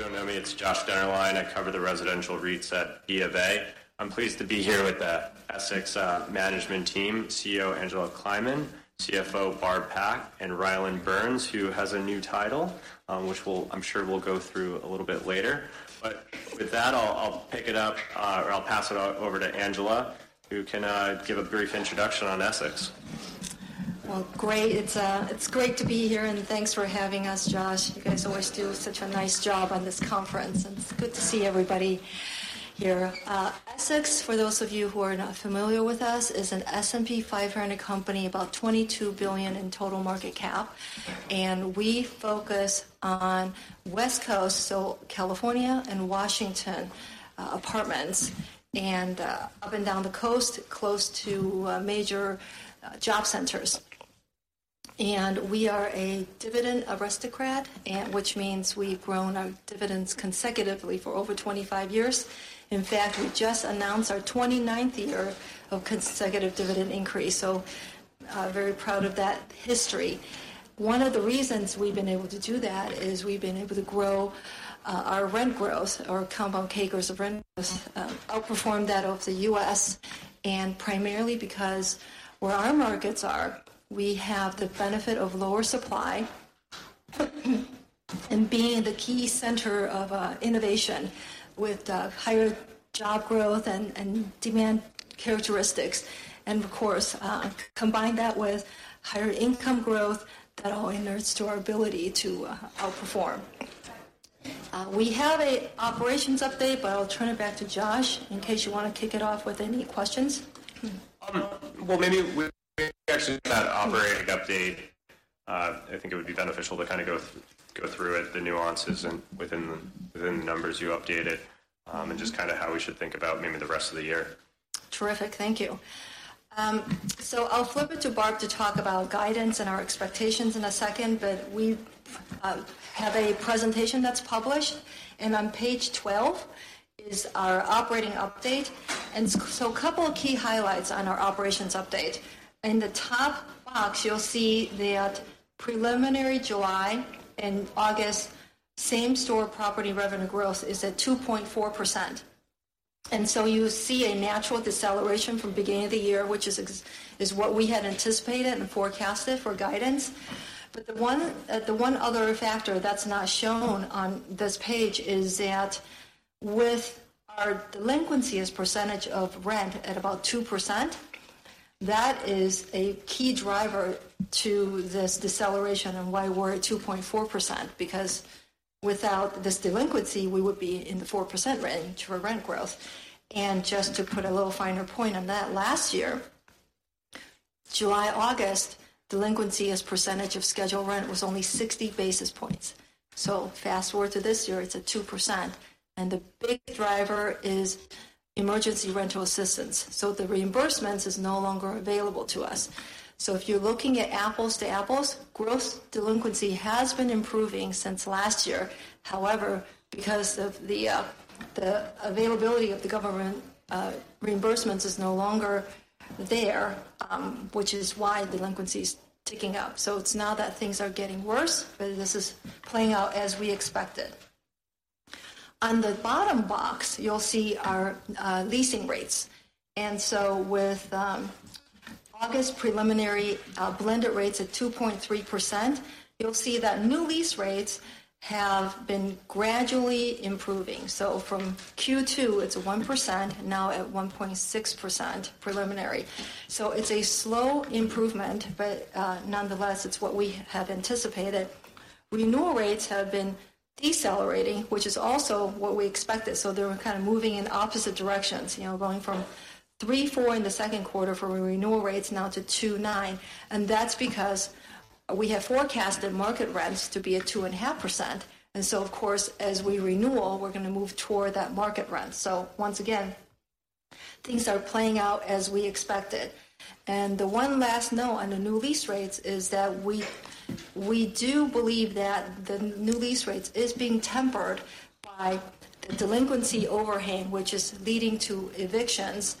If you don't know me, it's Joshua Dennerlein. I cover the residential REITs at BofA. I'm pleased to be here with the Essex management team, CEO Angela Kleiman, CFO Barb Pak, and Rylan Burns, who has a new title, which we'll, I'm sure we'll go through a little bit later. But with that, I'll pick it up, or I'll pass it over to Angela, who can give a brief introduction on Essex. well, great. It's great to be here, and thanks for having us, Josh. You guys always do such a nice job on this conference, and it's good to see everybody here. Essex, for those of you who are not familiar with us, is an S&P 500 company, about $22 billion in total market cap, and we focus on West Coast, so California and Washington, apartments, and up and down the coast, close to major job centers. And we are a Dividend Aristocrat, and which means we've grown our dividends consecutively for over 25 years. In fact, we just announced our 29th year of consecutive dividend increase, so very proud of that history. One of the reasons we've been able to do that is we've been able to grow our rent growth, our compound CAGRs of rent growth outperformed that of the U.S., and primarily because where our markets are, we have the benefit of lower supply, and being the key center of innovation with higher job growth and demand characteristics. And of course, combine that with higher income growth, that all adds to our ability to outperform. We have an operations update, but I'll turn it back to Josh in case you wanna kick it off with any questions. well, maybe actually that operating update, I think it would be beneficial to kind of go through, go through it, the nuances and within the, within the numbers you updated, and just kind of how we should think about maybe the rest of the year. Terrific. Thank you. So I'll flip it to Barb to talk about guidance and our expectations in a second, but we have a presentation that's published, and on page 12 is our operating update. So a couple of key highlights on our operations update. In the top box, you'll see that preliminary July and August same-store property revenue growth is at 2.4%. And so you see a natural deceleration from beginning of the year, which is what we had anticipated and forecasted for guidance. But the one other factor that's not shown on this page is that with our delinquency as percentage of rent at about 2%, that is a key driver to this deceleration and why we're at 2.4%. Because without this delinquency, we would be in the 4% range for rent growth. And just to put a little finer point on that, last year, July, August, delinquency as percentage of scheduled rent was only 60 basis points. So fast-forward to this year, it's at 2%, and the big driver is emergency rental assistance. So the reimbursements is no longer available to us. So if you're looking at apples to apples, gross delinquency has been improving since last year. However, because of the, the availability of the government, reimbursements is no longer there, which is why delinquency is ticking up. So it's not that things are getting worse, but this is playing out as we expected. On the bottom box, you'll see our leasing rates, and so with August preliminary blended rates at 2.3%, you'll see that new lease rates have been gradually improving. So from Q2, it's 1%, now at 1.6% preliminary. So it's a slow improvement, but nonetheless, it's what we have anticipated. Renewal rates have been decelerating, which is also what we expected. So they're kind of moving in opposite directions, you know, going from 3.4 in the second quarter for renewal rates now to 2.9, and that's because we have forecasted market rents to be at 2.5%. And so, of course, as we renew all, we're gonna move toward that market rent. So once again, things are playing out as we expected. And the one last note on the new lease rates is that we do believe that the new lease rates is being tempered by the delinquency overhang, which is leading to evictions.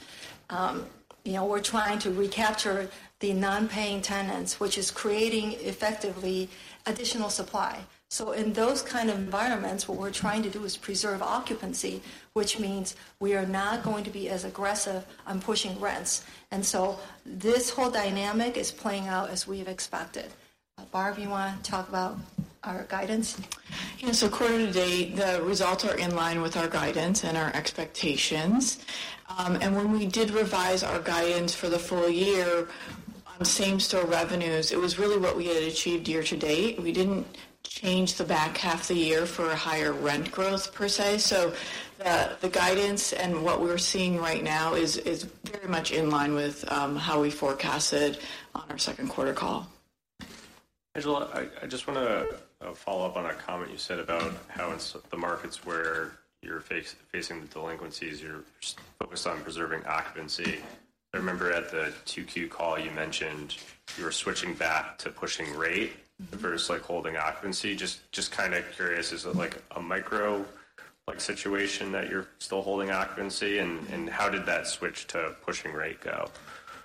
You know, we're trying to recapture the non-paying tenants, which is creating effectively additional supply. So in those kind of environments, what we're trying to do is preserve occupancy, which means we are not going to be as aggressive on pushing rents. And so this whole dynamic is playing out as we've expected. Barb, you wanna talk about our guidance? Yes, so quarter to date, the results are in line with our guidance and our expectations. And when we did revise our guidance for the full year on same-store revenues, it was really what we had achieved year to date. We didn't change the back half of the year for a higher rent growth per se. So the guidance and what we're seeing right now is very much in line with how we forecasted on our second quarter call. Angela, I just wanna follow up on a comment you said about how in the markets where you're facing the delinquencies, you're focused on preserving occupancy. I remember at the 2Q call, you mentioned you were switching back to pushing rate- Mm-hmm. versus, like, holding occupancy. Just kind of curious, is it like a micro-like situation that you're still holding occupancy, and how did that switch to pushing rate go?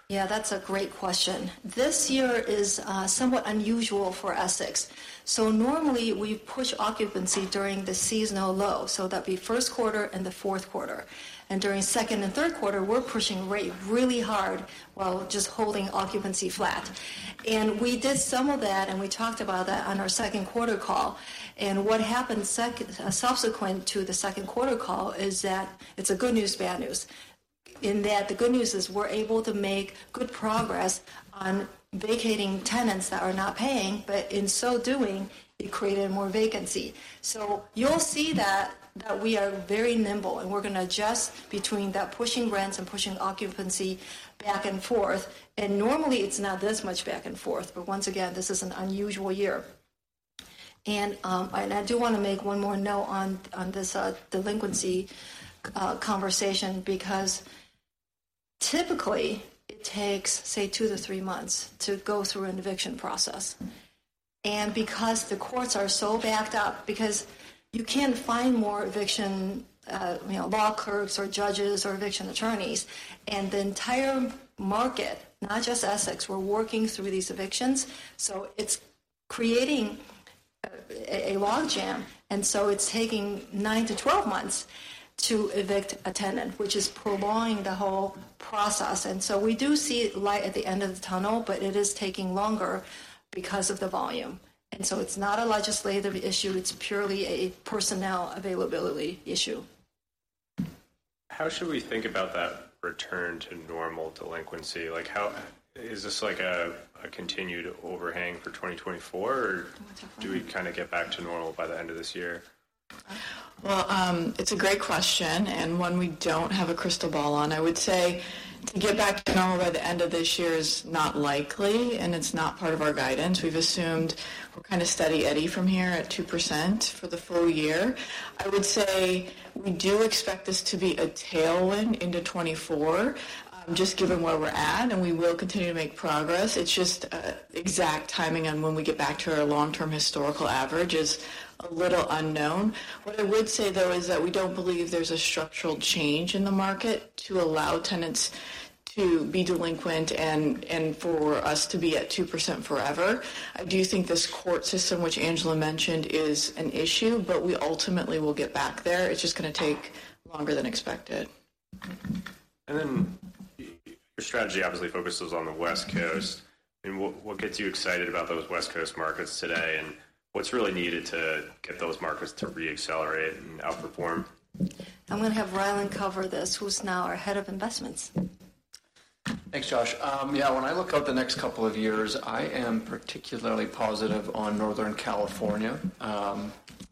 Yeah, that's a great question. This year is somewhat unusual for Essex. So normally, we push occupancy during the seasonal low, so that'd be first quarter and the fourth quarter. And during second and third quarter, we're pushing rate really hard while just holding occupancy flat. And we did some of that, and we talked about that on our second quarter call. And what happened subsequent to the second quarter call is that it's a good news, bad news. In that, the good news is we're able to make good progress on vacating tenants that are not paying, but in so doing, it created more vacancy. So you'll see that we are very nimble, and we're gonna adjust between that pushing rents and pushing occupancy back and forth. And normally, it's not this much back and forth, but once again, this is an unusual year. And I do wanna make one more note on this delinquency conversation, because typically, it takes, say, 2-3 months to go through an eviction process. And because the courts are so backed up, because you can't find more eviction, you know, law clerks or judges or eviction attorneys, and the entire market, not just Essex, we're working through these evictions, so it's creating a logjam, and so it's taking 9-12 months to evict a tenant, which is prolonging the whole process. And so we do see light at the end of the tunnel, but it is taking longer because of the volume. And so it's not a legislative issue, it's purely a personnel availability issue. How should we think about that return to normal delinquency? Like, how is this like a continued overhang for 2024, or do we kind of get back to normal by the end of this year? well, it's a great question, and one we don't have a crystal ball on. I would say to get back to normal by the end of this year is not likely, and it's not part of our guidance. We've assumed we're kind of steady eddy from here at 2% for the full year. I would say we do expect this to be a tailwind into 2024, just given where we're at, and we will continue to make progress. It's just, exact timing on when we get back to our long-term historical average is a little unknown. What I would say, though, is that we don't believe there's a structural change in the market to allow tenants to be delinquent and for us to be at 2% forever. I do think this court system, which Angela mentioned, is an issue, but we ultimately will get back there. It's just gonna take longer than expected. Then, your strategy obviously focuses on the West Coast. What, what gets you excited about those West Coast markets today, and what's really needed to get those markets to re-accelerate and outperform? I'm gonna have Rylan cover this, who's now our head of investments. Thanks, Josh. Yeah, when I look out the next couple of years, I am particularly positive on Northern California.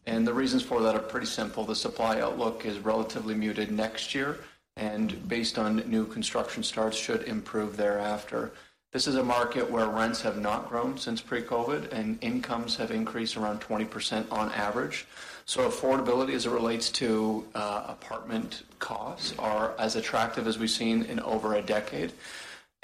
And the reasons for that are pretty simple. The supply outlook is relatively muted next year, and based on new construction starts, should improve thereafter. This is a market where rents have not grown since pre-COVID, and incomes have increased around 20% on average. So affordability, as it relates to apartment costs, are as attractive as we've seen in over a decade.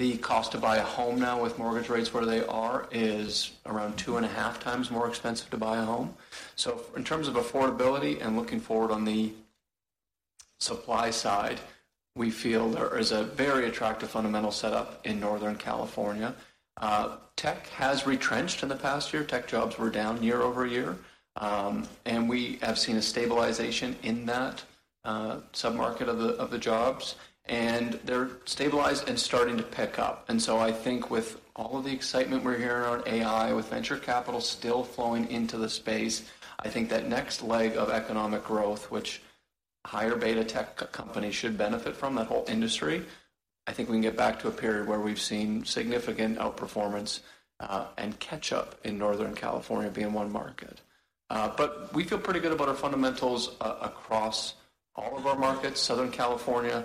The cost to buy a home now, with mortgage rates where they are, is around 2.5 times more expensive to buy a home. So in terms of affordability and looking forward on the supply side, we feel there is a very attractive fundamental setup in Northern California. Tech has retrenched in the past year. Tech jobs were down year-over-year, and we have seen a stabilization in that submarket of the jobs, and they're stabilized and starting to pick up. So I think with all of the excitement we're hearing around AI, with venture capital still flowing into the space, I think that next leg of economic growth, which higher beta tech companies should benefit from, that whole industry, I think we can get back to a period where we've seen significant outperformance, and catch up in Northern California being one market. But we feel pretty good about our fundamentals across all of our markets. Southern California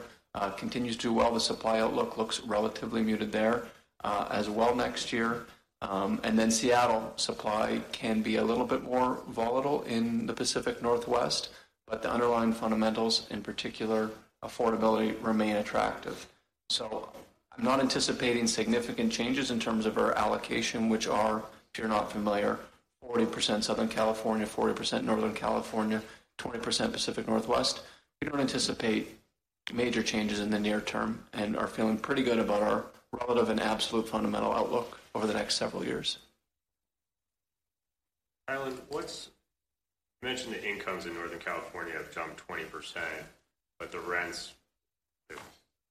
continues to do well. The supply outlook looks relatively muted there, as well next year. And then Seattle, supply can be a little bit more volatile in the Pacific Northwest, but the underlying fundamentals, in particular, affordability, remain attractive. So I'm not anticipating significant changes in terms of our allocation, which are, if you're not familiar, 40% Southern California, 40% Northern California, 20% Pacific Northwest. We don't anticipate major changes in the near term and are feeling pretty good about our relative and absolute fundamental outlook over the next several years. Rylan, what's... You mentioned the incomes in Northern California have jumped 20%, but the rents,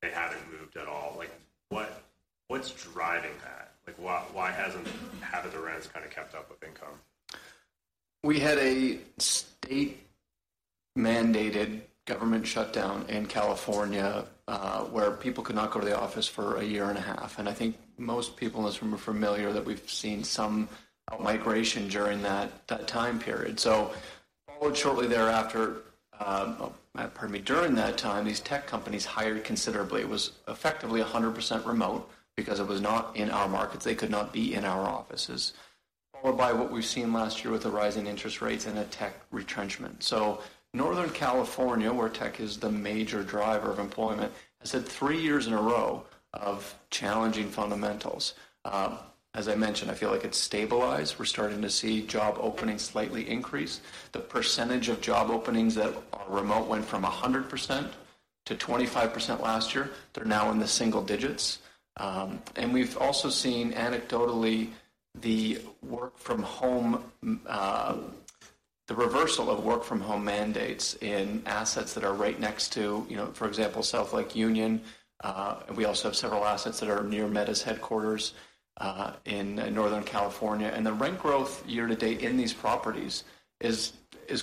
they haven't moved at all. Like, what, what's driving that? Like, why, why hasn't half of the rents kind of kept up with income? We had a state-mandated government shutdown in California, where people could not go to the office for a year and a half. I think most people in this room are familiar that we've seen some outmigration during that time period. Followed shortly thereafter, pardon me, during that time, these tech companies hired considerably. It was effectively 100% remote because it was not in our markets. They could not be in our offices. Followed by what we've seen last year with the rising interest rates and a tech retrenchment. Northern California, where tech is the major driver of employment, has had three years in a row of challenging fundamentals. As I mentioned, I feel like it's stabilized. We're starting to see job openings slightly increase. The percentage of job openings that are remote went from 100%- to 25% last year, they're now in the single digits. We've also seen anecdotally, the work from home, the reversal of work from home mandates in assets that are right next to, you know, for example, South Lake Union. We also have several assets that are near Meta's headquarters, in Northern California, and the rent growth year to date in these properties is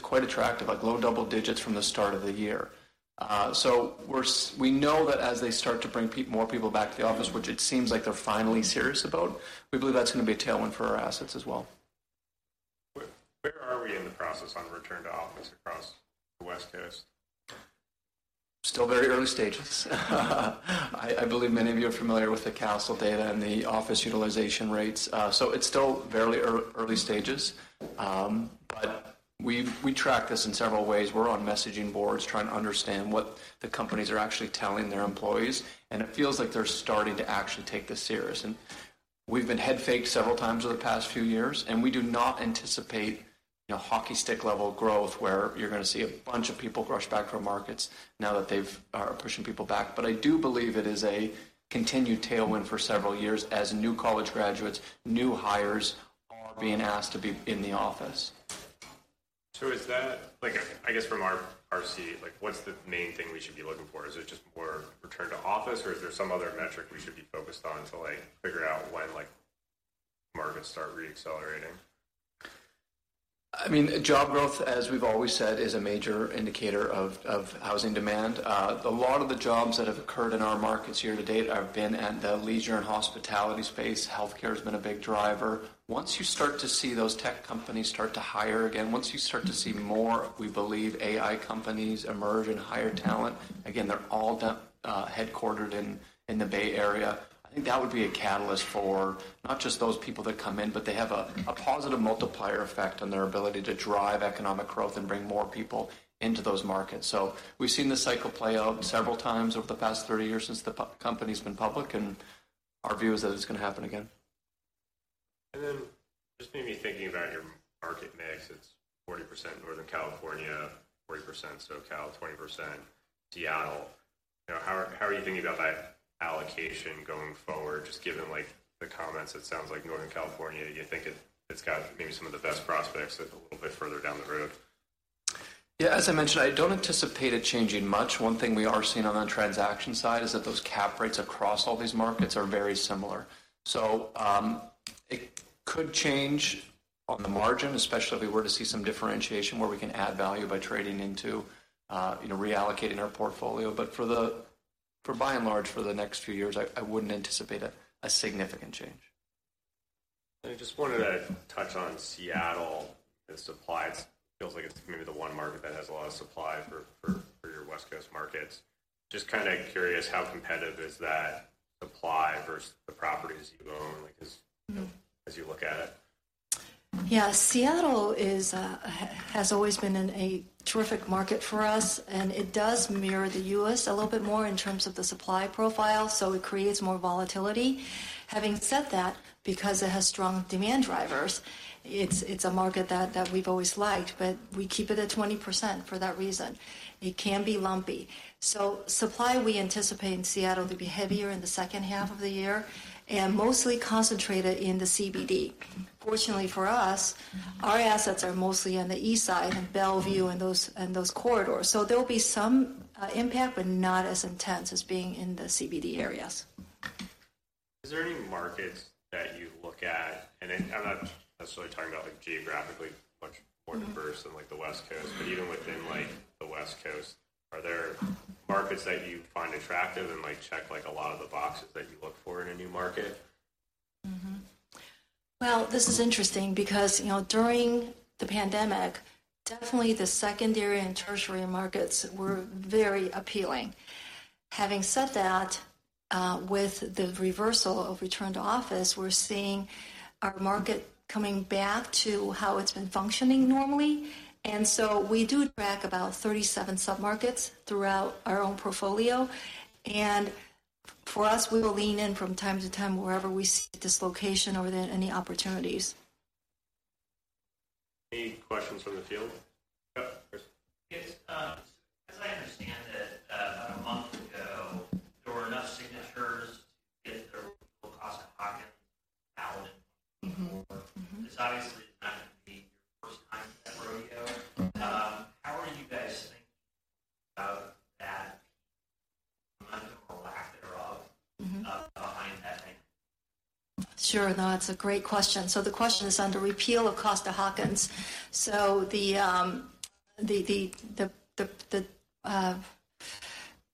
quite attractive, like low double digits from the start of the year. We know that as they start to bring more people back to the office, which it seems like they're finally serious about, we believe that's gonna be a tailwind for our assets as well. Where are we in the process on return to office across the West Coast? Still very early stages. I believe many of you are familiar with the Kastle data and the office utilization rates. So it's still very early stages. But we track this in several ways. We're on messaging boards trying to understand what the companies are actually telling their employees, and it feels like they're starting to actually take this serious. And we've been head faked several times over the past few years, and we do not anticipate, you know, hockey stick level growth, where you're gonna see a bunch of people rush back to our markets now that they are pushing people back. But I do believe it is a continued tailwind for several years as new college graduates, new hires, are being asked to be in the office. So is that like, I guess from our seat, like, what's the main thing we should be looking for? Is it just more return to office, or is there some other metric we should be focused on to, like, figure out when, like, markets start re-accelerating? I mean, job growth, as we've always said, is a major indicator of housing demand. A lot of the jobs that have occurred in our markets here to date have been in the leisure and hospitality space. Healthcare has been a big driver. Once you start to see those tech companies start to hire again, once you start to see more, we believe AI companies emerge and hire talent, again, they're all done headquartered in the Bay Area. I think that would be a catalyst for not just those people that come in, but they have a positive multiplier effect on their ability to drive economic growth and bring more people into those markets. So we've seen this cycle play out several times over the past 30 years since the company's been public, and our view is that it's gonna happen again. Then just maybe thinking about your market mix, it's 40% Northern California, 40% SoCal, 20% Seattle. You know, how are you thinking about that allocation going forward? Just given, like, the comments, it sounds like Northern California, you think it's got maybe some of the best prospects a little bit further down the road. Yeah, as I mentioned, I don't anticipate it changing much. One thing we are seeing on the transaction side is that those cap rates across all these markets are very similar. So, it could change on the margin, especially if we were to see some differentiation where we can add value by trading into, you know, reallocating our portfolio. But by and large, for the next few years, I wouldn't anticipate a significant change. I just wanted to touch on Seattle, the supply. It feels like it's maybe the one market that has a lot of supply for your West Coast markets. Just kind of curious, how competitive is that supply versus the properties you own, like, as you look at it? Yeah, Seattle has always been a terrific market for us, and it does mirror the U.S. a little bit more in terms of the supply profile, so it creates more volatility. Having said that, because it has strong demand drivers, it's a market that we've always liked, but we keep it at 20% for that reason. It can be lumpy. So supply, we anticipate in Seattle to be heavier in the second half of the year and mostly concentrated in the CBD. Fortunately for us, our assets are mostly on the east side of Bellevue and those corridors. So there'll be some impact, but not as intense as being in the CBD areas. Is there any markets that you look at, and I'm not necessarily talking about, like, geographically much more diverse than, like, the West Coast, but even within, like, the West Coast, are there markets that you find attractive and might check, like, a lot of the boxes that you look for in a new market? Mm-hmm. well, this is interesting because, you know, during the pandemic, definitely the secondary and tertiary markets were very appealing. Having said that, with the reversal of return to office, we're seeing our market coming back to how it's been functioning normally. And so we do track about 37 submarkets throughout our own portfolio, and for us, we will lean in from time to time wherever we see dislocation or any opportunities. Any questions from the field? Yep, Chris. Yes, as I understand it, about a month ago, there were enough signatures to get the Costa-Hawkins out. Mm-hmm. Mm-hmm. It's obviously not the first time in that rodeo. How are you guys thinking about that, among the lack thereof- Mm-hmm. behind that name? Sure. No, it's a great question. So the question is on the repeal of Costa-Hawkins. So the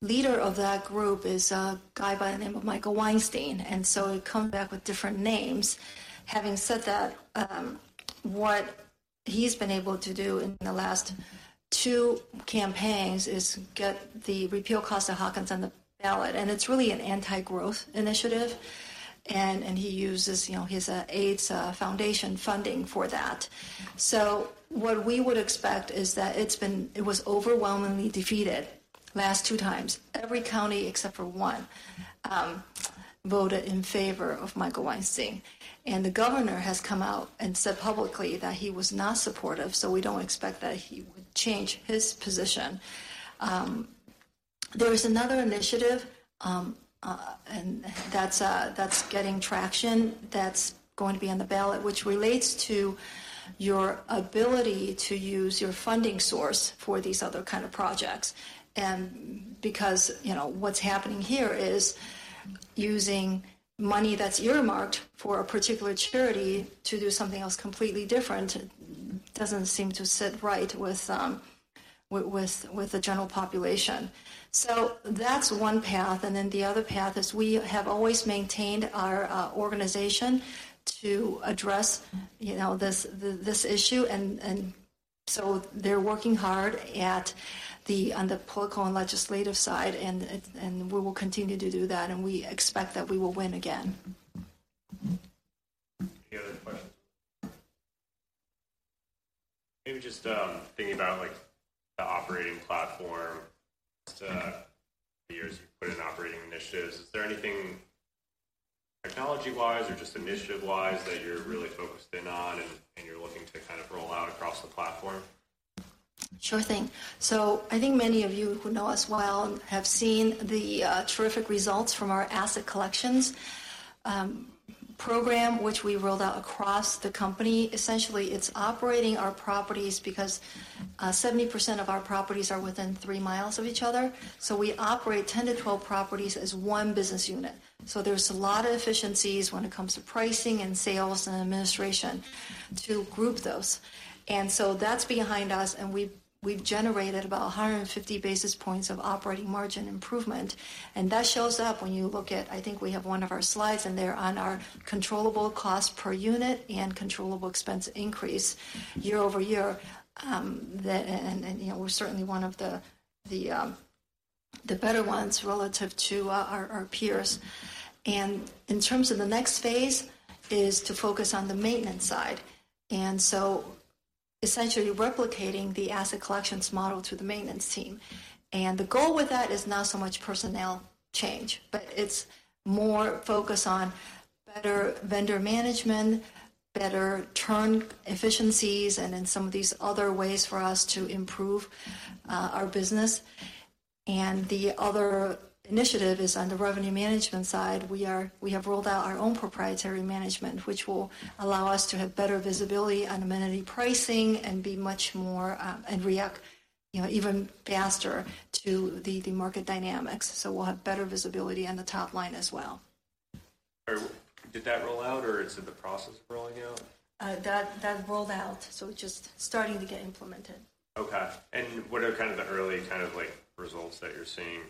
leader of that group is a guy by the name of Michael Weinstein, and so he come back with different names. Having said that, what he's been able to do in the last two campaigns is get the repeal Costa-Hawkins on the ballot, and it's really an anti-growth initiative, and he uses, you know, his AIDS Foundation funding for that. So what we would expect is that it's been-- it was overwhelmingly defeated last two times, every county except for one. Voted in favor of Michael Weinstein, and the governor has come out and said publicly that he was not supportive, so we don't expect that he would change his position. There is another initiative, and that's getting traction, that's going to be on the ballot, which relates to your ability to use your funding source for these other kind of projects. And because, you know, what's happening here is, using money that's earmarked for a particular charity to do something else completely different, it doesn't seem to sit right with the general population. So that's one path, and then the other path is we have always maintained our organization to address, you know, this issue. And so they're working hard on the political and legislative side, and we will continue to do that, and we expect that we will win again. Any other questions? Maybe just thinking about, like, the operating platform, the years you put in operating initiatives. Is there anything technology-wise or just initiative-wise that you're really focused in on and you're looking to kind of roll out across the platform? Sure thing. So I think many of you who know us well have seen the terrific results from our asset collections program, which we rolled out across the company. Essentially, it's operating our properties because 70% of our properties are within three miles of each other, so we operate 10-12 properties as one business unit. So there's a lot of efficiencies when it comes to pricing and sales and administration to group those. And so that's behind us, and we've generated about 150 basis points of operating margin improvement, and that shows up when you look at... I think we have one of our slides in there on our controllable cost per unit and controllable expense increase year-over-year. That, and you know, we're certainly one of the better ones relative to our peers. In terms of the next phase, is to focus on the maintenance side, and so essentially replicating the asset collections model to the maintenance team. The goal with that is not so much personnel change, but it's more focused on better vendor management, better turn efficiencies, and then some of these other ways for us to improve our business. The other initiative is on the revenue management side. We have rolled out our own proprietary management, which will allow us to have better visibility on amenity pricing and be much more and react, you know, even faster to the market dynamics. So we'll have better visibility on the top line as well. Did that roll out, or it's in the process of rolling out? That rolled out, so we're just starting to get implemented. Okay. And what are kind of the early, kind of, like, results that you're seeing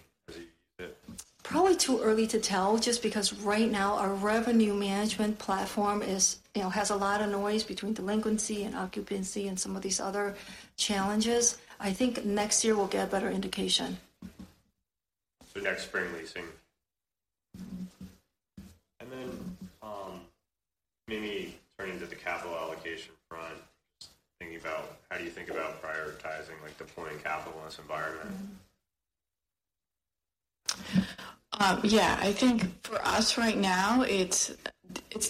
as you fit? Probably too early to tell, just because right now, our revenue management platform is, you know, has a lot of noise between delinquency and occupancy and some of these other challenges. I think next year we'll get a better indication. So next spring leasing? Mm-hmm. Then, maybe turning to the capital allocation front, just thinking about how do you think about prioritizing, like, deploying capital in this environment? Yeah, I think for us right now, it's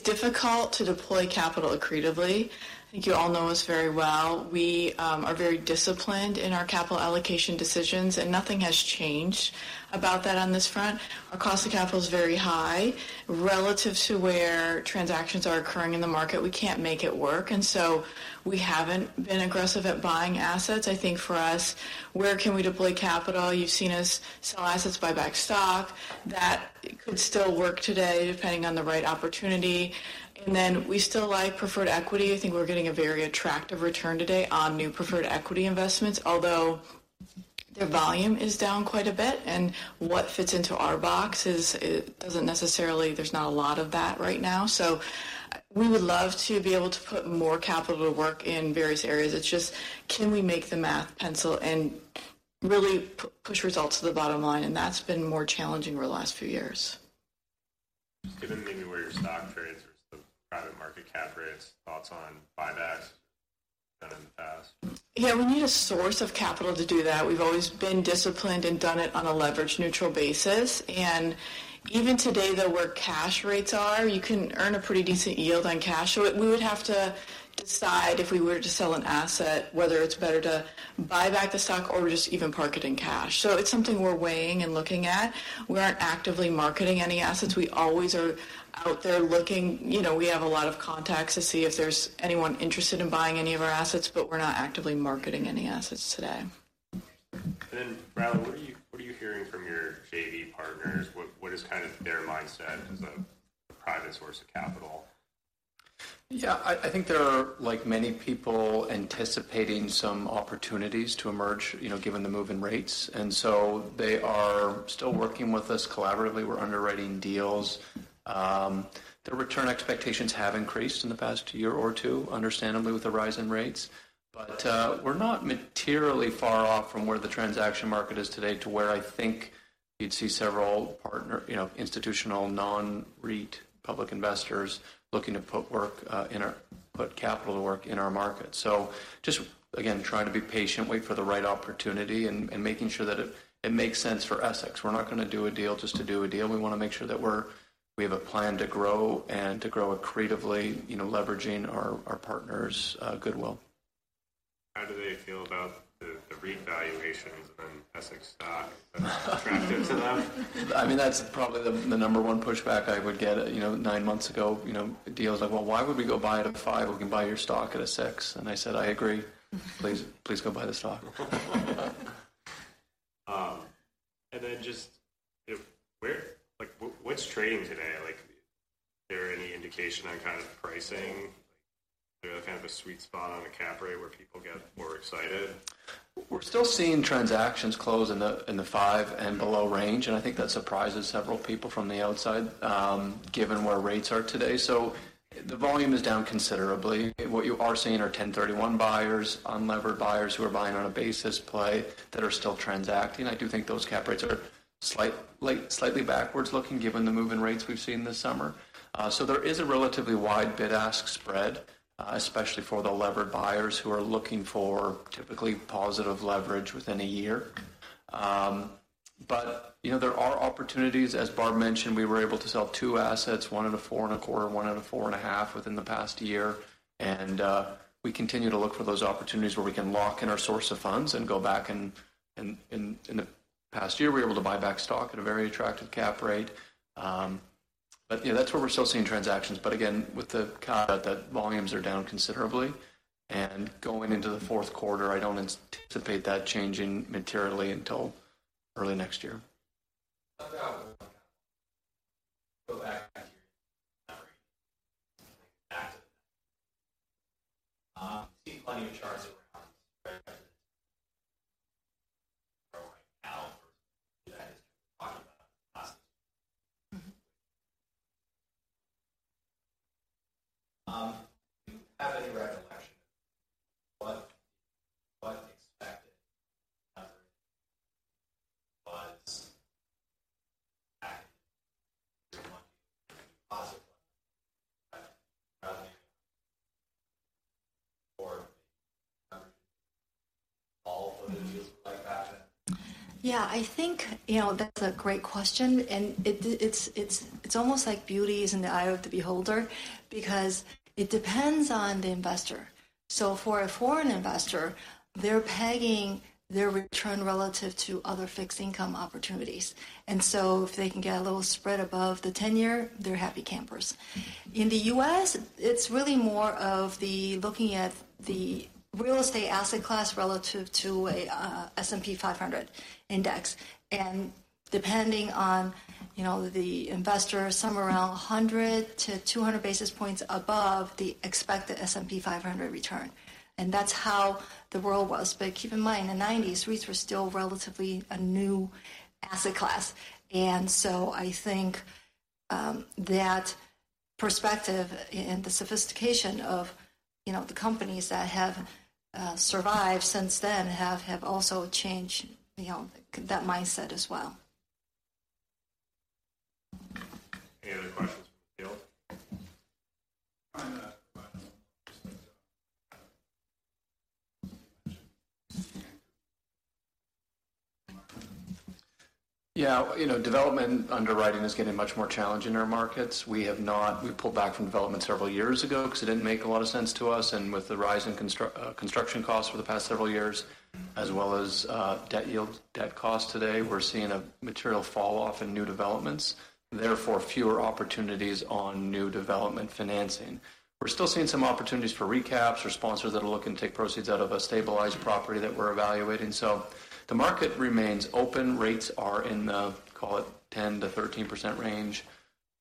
difficult to deploy capital accretively. I think you all know us very well. We are very disciplined in our capital allocation decisions, and nothing has changed about that on this front. Our cost of capital is very high relative to where transactions are occurring in the market. We can't make it work, and so we haven't been aggressive at buying assets. I think for us, where can we deploy capital? You've seen us sell assets, buy back stock. That could still work today, depending on the right opportunity. And then we still like preferred equity. I think we're getting a very attractive return today on new preferred equity investments, although the volume is down quite a bit, and what fits into our box is, it doesn't necessarily... There's not a lot of that right now. So we would love to be able to put more capital to work in various areas. It's just, can we make the math pencil and really push results to the bottom line? And that's been more challenging over the last few years. Given maybe where your stock trades or the private market cap rates, thoughts on buybacks than in the past? Yeah, we need a source of capital to do that. We've always been disciplined and done it on a leverage-neutral basis. And even today, though, where cash rates are, you can earn a pretty decent yield on cash. So we would have to decide if we were to sell an asset, whether it's better to buy back the stock or just even park it in cash. So it's something we're weighing and looking at. We aren't actively marketing any assets. We always are out there looking. You know, we have a lot of contacts to see if there's anyone interested in buying any of our assets, but we're not actively marketing any assets today. And then, bBroadly, what are you hearing from your JV partners? What is kind of their mindset as a private source of capital? Yeah, I think there are, like many people, anticipating some opportunities to emerge, you know, given the move in rates, and so they are still working with us collaboratively. We're underwriting deals. Their return expectations have increased in the past year or two, understandably, with the rise in rates. But, we're not materially far off from where the transaction market is today to where I think you'd see several partner, you know, institutional, non-REIT public investors looking to put capital to work in our market. So just, again, try to be patient, wait for the right opportunity, and making sure that it makes sense for Essex. We're not gonna do a deal just to do a deal. We wanna make sure that we have a plan to grow and to grow creatively, you know, leveraging our partners' goodwill. How do they feel about the revaluations on Essex stock, attractive to them? I mean, that's probably the number one pushback I would get, you know, 9 months ago. You know, deals like: "well, why would we go buy at a 5? We can buy your stock at a 6." And I said, "I agree. Please, please go buy the stock. And then just if we're... Like, what's trading today? Like, is there any indication on kind of pricing? Is there a kind of a sweet spot on the cap rate where people get more excited? We're still seeing transactions close in the 5 and below range, and I think that surprises several people from the outside, given where rates are today. So the volume is down considerably. What you are seeing are 1031 buyers, unlevered buyers who are buying on a basis play that are still transacting. I do think those cap rates are slightly backwards looking, given the move in rates we've seen this summer. So there is a relatively wide bid-ask spread, especially for the levered buyers who are looking for typically positive leverage within a year. But, you know, there are opportunities. As Barb mentioned, we were able to sell two assets, one at a 4.25, one at a 4.5 within the past year. We continue to look for those opportunities where we can lock in our source of funds and go back in the past year, we were able to buy back stock at a very attractive cap rate. But, yeah, that's where we're still seeing transactions. But again, with the caveat that volumes are down considerably, and going into the fourth quarter, I don't anticipate that changing materially until early next year. Go back to your memory. See plenty of charts around president. Do you have any recollection what expected was active or all like that? Yeah, I think, you know, that's a great question, and it's almost like beauty is in the eye of the beholder because it depends on the investor. So for a foreign investor, they're pegging their return relative to other fixed income opportunities. And so if they can get a little spread above the 10-year, they're happy campers. In the US, it's really more of the looking at the real estate asset class relative to a S&P 500 index. And depending on, you know, the investor, somewhere around 100-200 basis points above the expected S&P 500 return. And that's how the world was. But keep in mind, in the 1990s, REITs were still relatively a new asset class. And so I think that perspective and the sophistication of, you know, the companies that have survived since then have also changed, you know, that mindset as well. Any other questions from the field? Yeah, you know, development underwriting is getting much more challenging in our markets. We have not-- We pulled back from development several years ago because it didn't make a lot of sense to us, and with the rise in construct- construction costs for the past several years, as well as, debt yield, debt costs today, we're seeing a material falloff in new developments, therefore, fewer opportunities on new development financing. We're still seeing some opportunities for recaps or sponsors that are looking to take proceeds out of a stabilized property that we're evaluating. So the market remains open. Rates are in the, call it, 10%-13% range,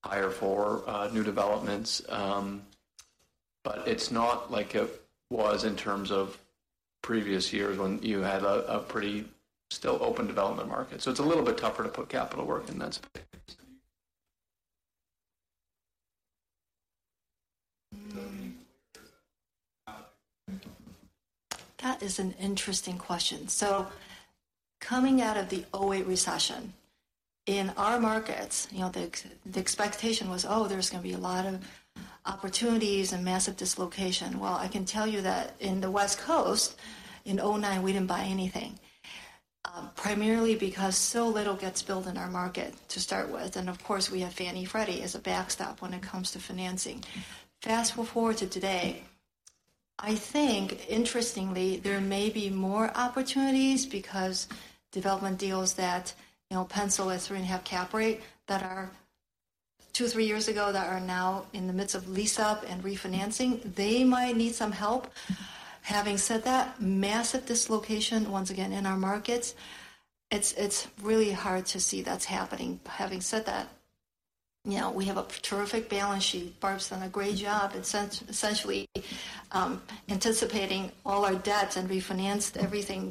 higher for, new developments. But it's not like it was in terms of previous years when you had a, a pretty still open development market. It's a little bit tougher to put capital to work in that space. Um... That is an interesting question. So coming out of the 2008 recession, in our markets, you know, the expectation was, oh, there's going to be a lot of opportunities and massive dislocation. well, I can tell you that in the West Coast, in 2009, we didn't buy anything, primarily because so little gets built in our market to start with. And of course, we have Fannie and Freddie as a backstop when it comes to financing. Fast-forward to today, I think interestingly, there may be more opportunities because development deals that, you know, pencil at 3.5 cap rate, that are 2-3 years ago, that are now in the midst of lease-up and refinancing, they might need some help. Having said that, massive dislocation, once again, in our markets, it's really hard to see that's happening. Having said that, you know, we have a terrific balance sheet. Barb's done a great job in essentially anticipating all our debts and refinanced everything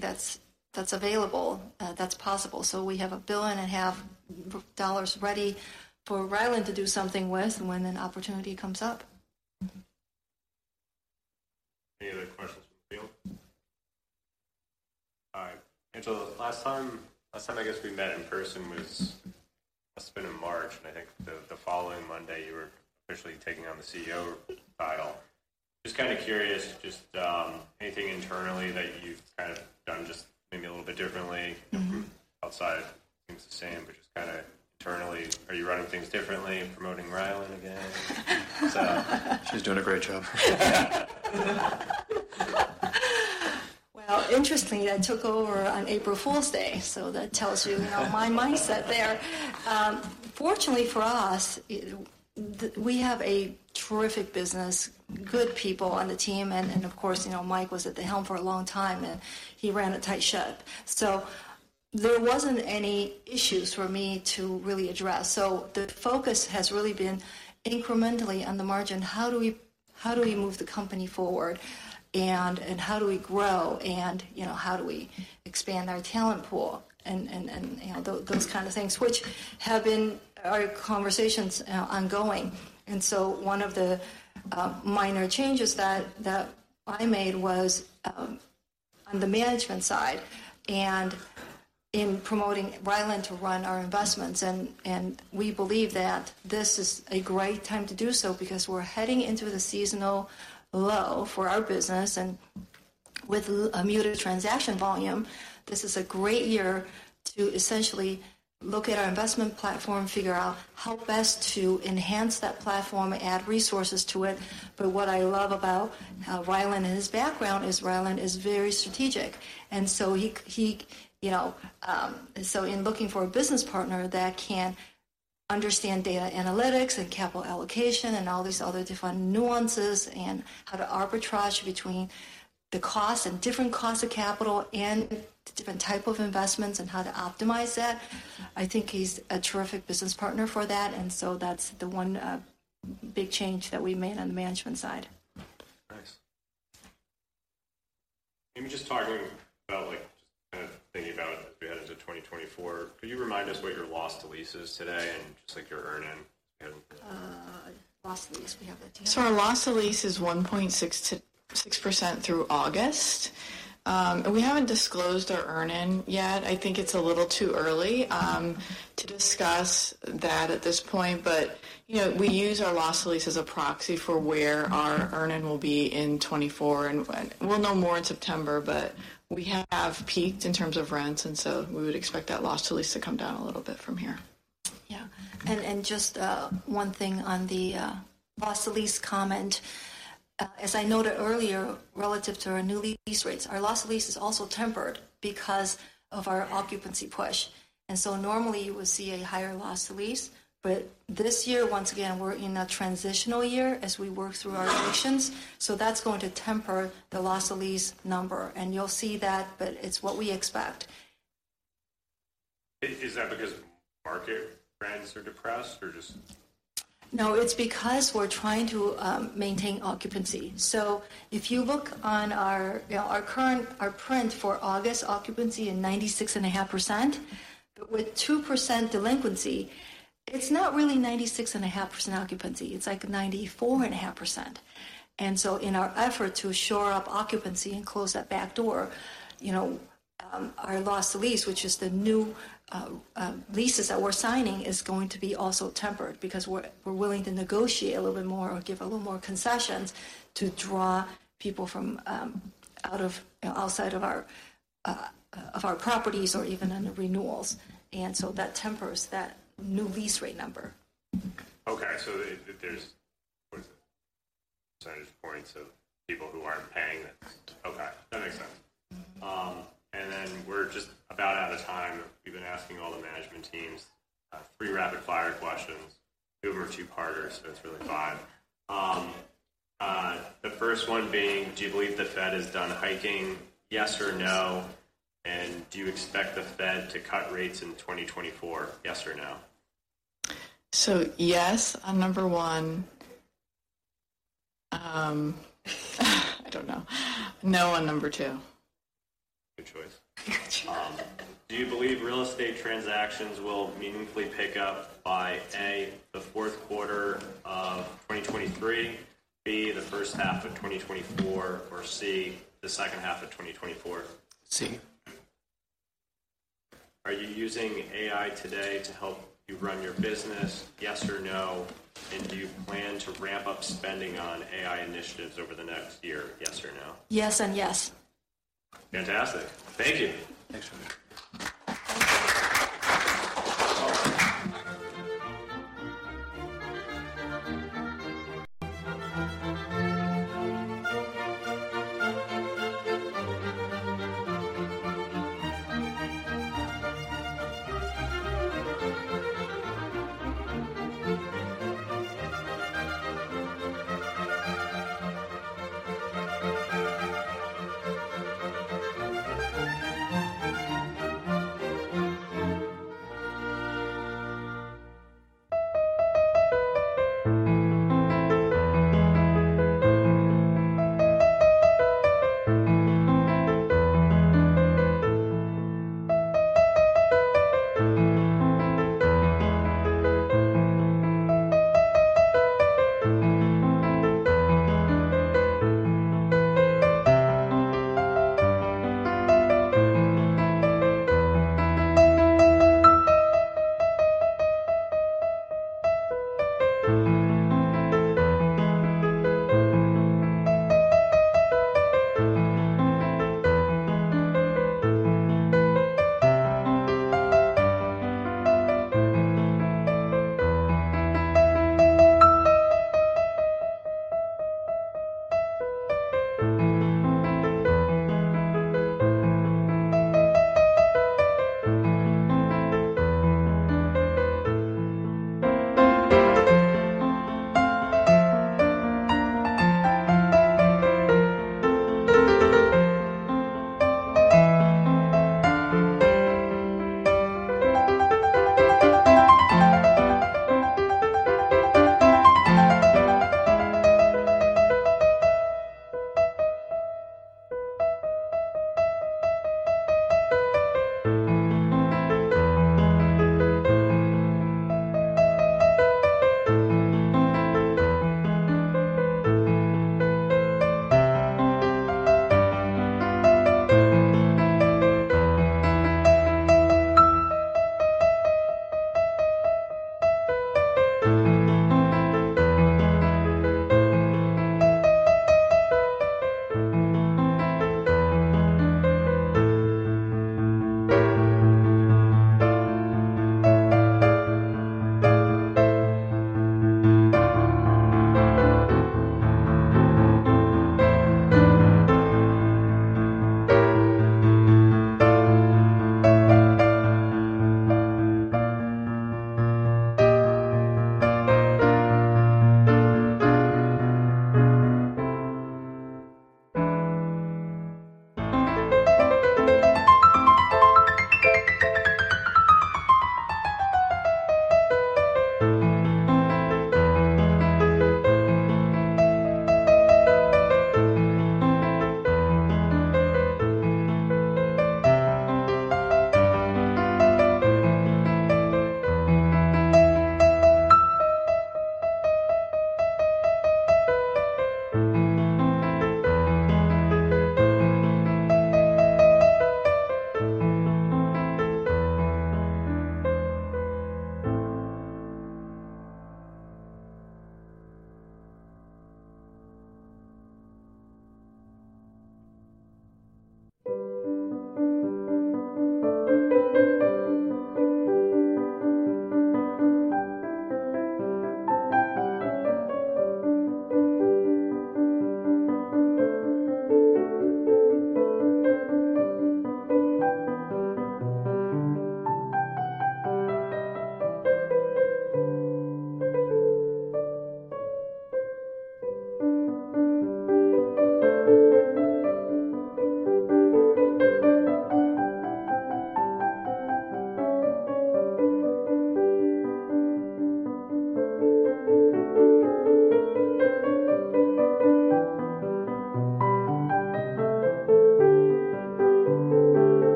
that's available, that's possible. So we have $1.5 billion ready for Rylan to do something with when an opportunity comes up. Mm-hmm. Any other questions from the field?... Angela, last time, last time I guess we met in person was, must've been in March, and I think the following Monday you were officially taking on the CEO role. Just kind of curious, just, anything internally that you've kind of done just maybe a little bit differently? Mm-hmm. Outside seems the same, but just kinda internally, are you running things differently and promoting Rylan again? She's doing a great job. well, interestingly, I took over on April Fool's Day, so that tells you, you know, my mindset there. Fortunately for us, we have a terrific business, good people on the team, and, and of course, you know, Mike was at the helm for a long time, and he ran a tight ship. So there wasn't any issues for me to really address. So the focus has really been incrementally on the margin. How do we, how do we move the company forward? And, and how do we grow? And, you know, how do we expand our talent pool? And, and, and, you know, those kind of things, which have been... Our conversations are ongoing. And so one of the minor changes that, that I made was on the management side, and in promoting Rylan to run our investments. We believe that this is a great time to do so because we're heading into the seasonal low for our business, and with a muted transaction volume, this is a great year to essentially look at our investment platform, figure out how best to enhance that platform and add resources to it. But what I love about Rylan and his background is Rylan is very strategic, and so he, you know, so in looking for a business partner that can understand data analytics and capital allocation, and all these other different nuances, and how to arbitrage between the costs and different costs of capital and different type of investments, and how to optimize that, I think he's a terrific business partner for that, and so that's the one, big change that we made on the management side. Thanks. Maybe just talking about, like, kind of thinking about as we head into 2024, could you remind us what your loss to lease is today, and just, like, your earn-in and- Loss to Lease, we have that. So our loss to lease is 1.6%-6% through August. And we haven't disclosed our earn-in yet. I think it's a little too early to discuss that at this point. But, you know, we use our loss to lease as a proxy for where our earn-in will be in 2024, and we'll know more in September. But we have peaked in terms of rents, and so we would expect that loss to lease to come down a little bit from here. Yeah. And just one thing on the Loss to Lease comment. As I noted earlier, relative to our New Lease Rates, our Loss to Lease is also tempered because of our occupancy push. And so normally, you would see a higher Loss to Lease, but this year, once again, we're in a transitional year as we work through our actions. So that's going to temper the Loss to Lease number, and you'll see that, but it's what we expect. Is that because market rents are depressed or just- No, it's because we're trying to maintain occupancy. So if you look on our, you know, our current print for August occupancy in 96.5%, but with 2% delinquency, it's not really 96.5% occupancy. It's like 94.5%. And so in our effort to shore up occupancy and close that back door, you know, our loss to lease, which is the new leases that we're signing, is going to be also tempered because we're willing to negotiate a little bit more or give a little more concessions to draw people from out of, you know, outside of our properties or even in the renewals. And so that tempers that new lease rate number. Okay. So if, if there's, what is it? Percentage points of people who aren't paying their... Okay, that makes sense. And then we're just about out of time. We've been asking all the management teams, three rapid-FIRE questions, two are a two-parter, so it's really five. The first one being: Do you believe the Fed is done hiking, yes or no? And do you expect the Fed to cut rates in 2024, yes or no? So yes, on number 1. I don't know. No, on number 2. Good choice. Good choice. Do you believe real estate transactions will meaningfully pick up by, A, the fourth quarter of 2023, B, the first half of 2024, or, C, the second half of 2024? C. Are you using AI today to help you run your business, yes or no? And do you plan to ramp up spending on AI initiatives over the next year, yes or no? Yes and yes. Fantastic. Thank you.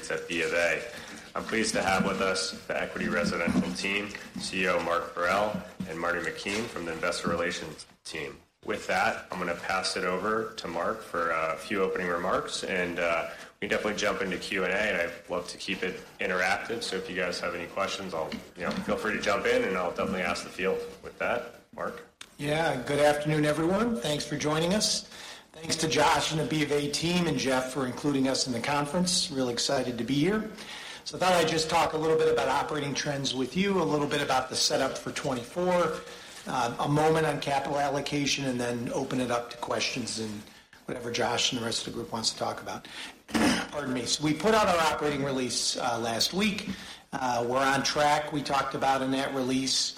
Thanks so much. Thank you.... Those of you who don't know me, I'm Joshua Dennerlein, and I cover the residential REITs at BofA. I'm pleased to have with us the Equity Residential team, CEO Mark Parrell, and Marty McKenna from the Investor Relations team. With that, I'm gonna pass it over to Mark for a few opening remarks, and we can definitely jump into Q&A. I'd love to keep it interactive, so if you guys have any questions, I'll—you know, feel free to jump in, and I'll definitely ask the field. With that, Mark? Yeah. Good afternoon, everyone. Thanks for joining us. Thanks to Josh and the BofA team, and Jeff for including us in the conference. Really excited to be here. So I thought I'd just talk a little bit about operating trends with you, a little bit about the setup for 2024, a moment on capital allocation, and then open it up to questions and whatever Josh and the rest of the group wants to talk about. Pardon me. So we put out our operating release last week. We're on track. We talked about a new lease,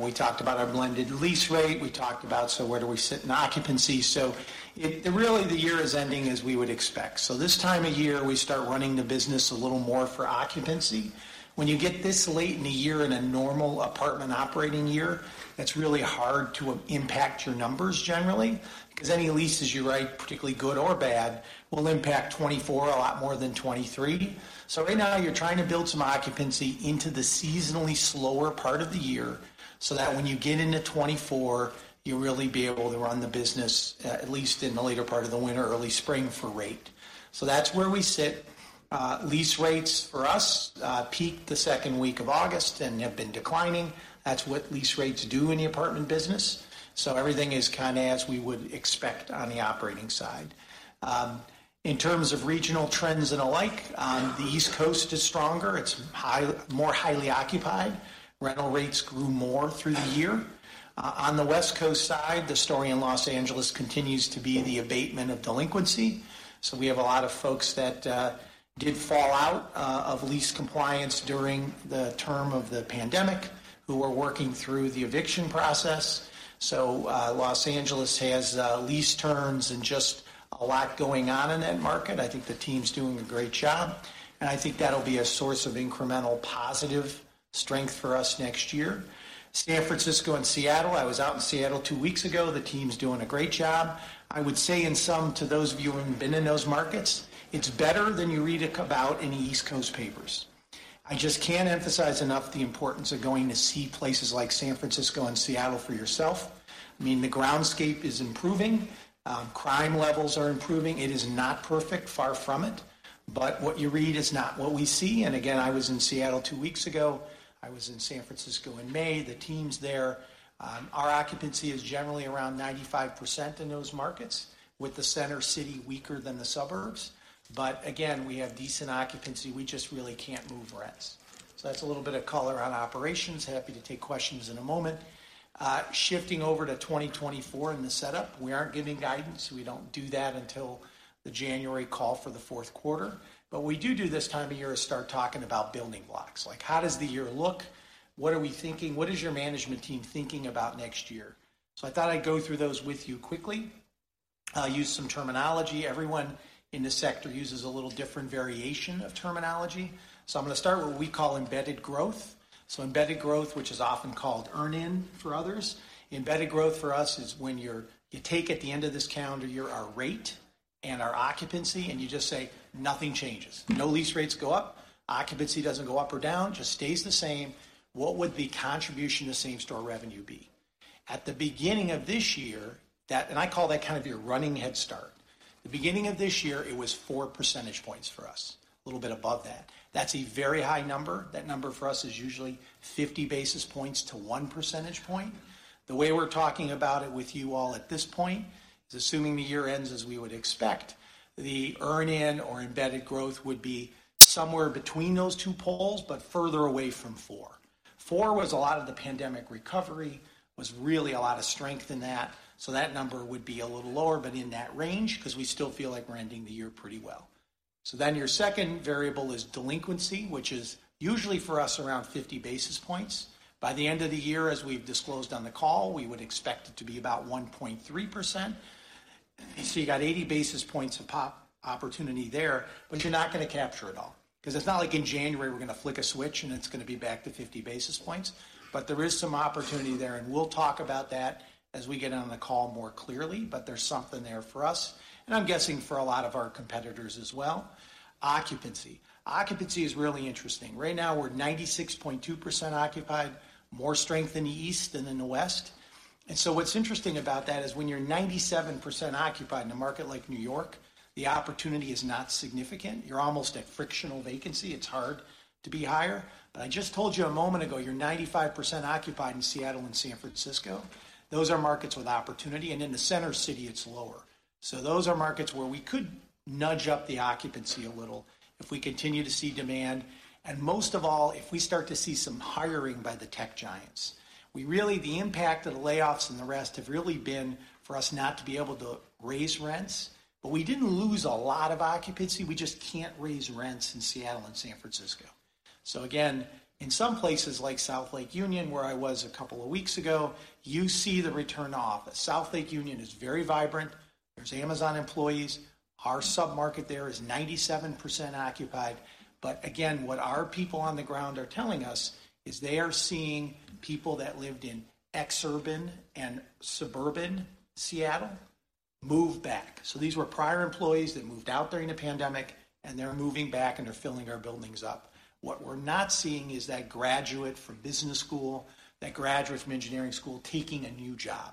we talked about our blended lease rate, we talked about, so where do we sit in occupancy? So it really, the year is ending as we would expect. So this time of year, we start running the business a little more for occupancy. When you get this late in a year, in a normal apartment operating year, it's really hard to impact your numbers generally, because any leases you write, particularly good or bad, will impact 2024 a lot more than 2023. So right now, you're trying to build some occupancy into the seasonally slower part of the year, so that when you get into 2024, you'll really be able to run the business, at least in the later part of the winter, early spring, for rate. So that's where we sit. Lease rates for us peaked the second week of August and have been declining. That's what lease rates do in the apartment business, so everything is kind of as we would expect on the operating side. In terms of regional trends and the like, the East Coast is stronger. It's higher, more highly occupied. Rental rates grew more through the year. On the West Coast side, the story in Los Angeles continues to be the abatement of delinquency. So we have a lot of folks that did fall out of lease compliance during the term of the pandemic, who are working through the eviction process. So, Los Angeles has lease turns and just a lot going on in that market. I think the team's doing a great job, and I think that'll be a source of incremental positive strength for us next year. San Francisco and Seattle. I was out in Seattle two weeks ago. The team's doing a great job. I would say in sum to those of you who haven't been in those markets, it's better than you read it about in the East Coast papers. I just can't emphasize enough the importance of going to see places like San Francisco and Seattle for yourself. I mean, the groundscape is improving, crime levels are improving. It is not perfect, far from it, but what you read is not what we see. And again, I was in Seattle two weeks ago. I was in San Francisco in May. The teams there, our occupancy is generally around 95% in those markets, with the center city weaker than the suburbs. But again, we have decent occupancy. We just really can't move rents. So that's a little bit of color on operations. Happy to take questions in a moment. Shifting over to 2024 in the setup, we aren't giving guidance. We don't do that until the January call for the fourth quarter, but we do do this time of year to start talking about building blocks, like, how does the year look? What are we thinking? What is your management team thinking about next year? So I thought I'd go through those with you quickly... I'll use some terminology. Everyone in this sector uses a little different variation of terminology, so I'm gonna start with what we call embedded growth. So embedded growth, which is often called earn-in for others, embedded growth for us is when you take at the end of this calendar year, our rate and our occupancy, and you just say, "Nothing changes." No lease rates go up, occupancy doesn't go up or down, just stays the same. What would the contribution to same-store revenue be? At the beginning of this year, that... I call that kind of your running head start. The beginning of this year, it was 4 percentage points for us, a little bit above that. That's a very high number. That number for us is usually 50 basis points to 1 percentage point. The way we're talking about it with you all at this point is assuming the year ends as we would expect, the earn-in or embedded growth would be somewhere between those two poles, but further away from 4. 4 was a lot of the pandemic recovery, was really a lot of strength in that, so that number would be a little lower, but in that range, because we still feel like we're ending the year pretty well. So then your second variable is delinquency, which is usually for us, around 50 basis points. By the end of the year, as we've disclosed on the call, we would expect it to be about 1.3%. So you got 80 basis points of pop opportunity there, but you're not gonna capture it all. Because it's not like in January, we're gonna flick a switch, and it's gonna be back to 50 basis points. But there is some opportunity there, and we'll talk about that as we get on the call more clearly, but there's something there for us, and I'm guessing for a lot of our competitors as well. Occupancy. Occupancy is really interesting. Right now, we're 96.2% occupied, more strength in the East than in the West. And so what's interesting about that is when you're 97% occupied in a market like New York, the opportunity is not significant. You're almost at frictional vacancy. It's hard to be higher. But I just told you a moment ago, you're 95% occupied in Seattle and San Francisco. Those are markets with opportunity, and in the Center City, it's lower. So those are markets where we could nudge up the occupancy a little if we continue to see demand, and most of all, if we start to see some hiring by the tech giants. We really, the impact of the layoffs and the rest have really been for us not to be able to raise rents, but we didn't lose a lot of occupancy. We just can't raise rents in Seattle and San Francisco. So again, in some places like South Lake Union, where I was a couple of weeks ago, you see the return to office. South Lake Union is very vibrant. There's Amazon employees. Our sub-market there is 97% occupied. But again, what our people on the ground are telling us is they are seeing people that lived in exurban and suburban Seattle move back. So these were prior employees that moved out during the pandemic, and they're moving back, and they're filling our buildings up. What we're not seeing is that graduate from business school, that graduate from engineering school, taking a new job.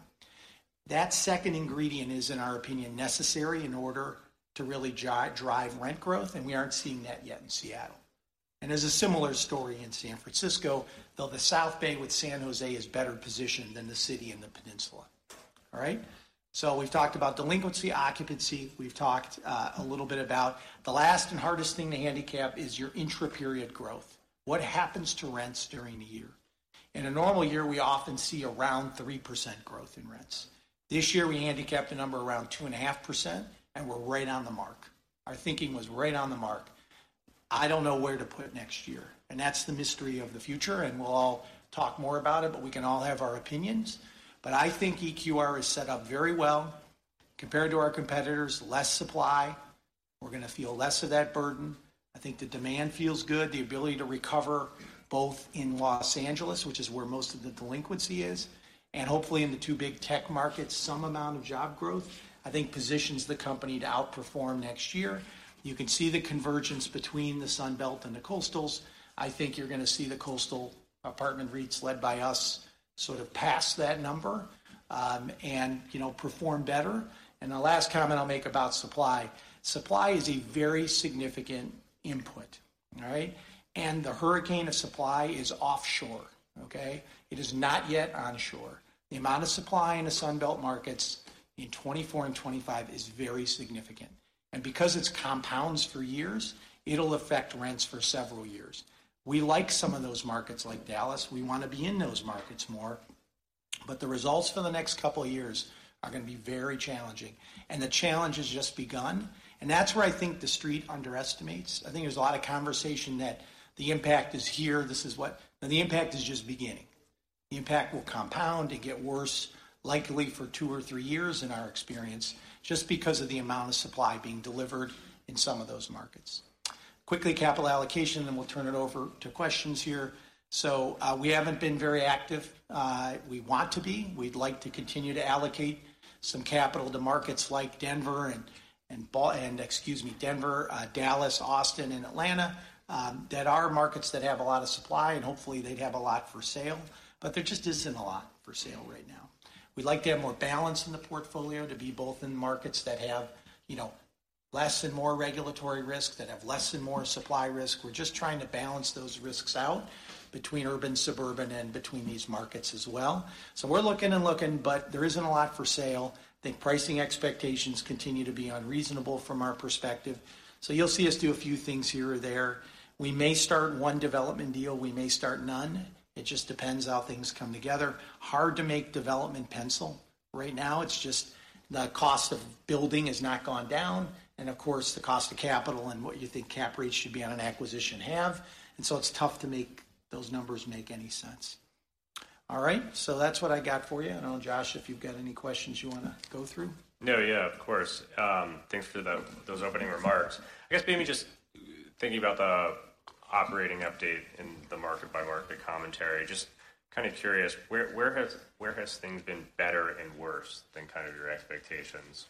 That second ingredient is, in our opinion, necessary in order to really drive rent growth, and we aren't seeing that yet in Seattle. And there's a similar story in San Francisco, though the South Bay with San Jose is better positioned than the city and the Peninsula. All right? So we've talked about delinquency, occupancy. We've talked a little bit about the last and hardest thing to handicap is your intra-period growth. What happens to rents during the year? In a normal year, we often see around 3% growth in rents. This year, we handicapped a number around 2.5%, and we're right on the mark. Our thinking was right on the mark. I don't know where to put next year, and that's the mystery of the future, and we'll all talk more about it, but we can all have our opinions. But I think EQR is set up very well. Compared to our competitors, less supply, we're gonna feel less of that burden. I think the demand feels good, the ability to recover, both in Los Angeles, which is where most of the delinquency is, and hopefully in the two big tech markets, some amount of job growth, I think positions the company to outperform next year. You can see the convergence between the Sun Belt and the Coastals. I think you're gonna see the Coastal apartment REITs, led by us, sort of pass that number, and, you know, perform better. The last comment I'll make about supply: Supply is a very significant input, all right? The hurricane of supply is offshore, okay? It is not yet onshore. The amount of supply in the Sun Belt markets in 2024 and 2025 is very significant. Because it compounds for years, it'll affect rents for several years. We like some of those markets, like Dallas. We wanna be in those markets more, but the results for the next couple of years are gonna be very challenging, and the challenge has just begun, and that's where I think the Street underestimates. I think there's a lot of conversation that the impact is here. The impact is just beginning. The impact will compound and get worse, likely for two or three years in our experience, just because of the amount of supply being delivered in some of those markets. Quickly, capital allocation, then we'll turn it over to questions here. So, we haven't been very active. We want to be. We'd like to continue to allocate some capital to markets like Denver and Excuse me, Denver, Dallas, Austin, and Atlanta, that are markets that have a lot of supply, and hopefully, they'd have a lot for sale, but there just isn't a lot for sale right now. We'd like to have more balance in the portfolio to be both in markets that have, you know, less and more regulatory risk, that have less and more supply risk. We're just trying to balance those risks out between urban, suburban, and between these markets as well. So we're looking and looking, but there isn't a lot for sale. I think pricing expectations continue to be unreasonable from our perspective. So you'll see us do a few things here or there. We may start one development deal, we may start none. It just depends how things come together. Hard to make development pencil. Right now, it's just the cost of building has not gone down, and of course, the cost of capital and what you think cap rates should be on an acquisition have, and so it's tough to make those numbers make any sense... All right, so that's what I got for you. I know, Josh, if you've got any questions you wanna go through? No, yeah, of course. Thanks for those opening remarks. I guess maybe just thinking about the operating update in the market-by-market commentary, just kind of curious, where has things been better and worse than kind of your expectations?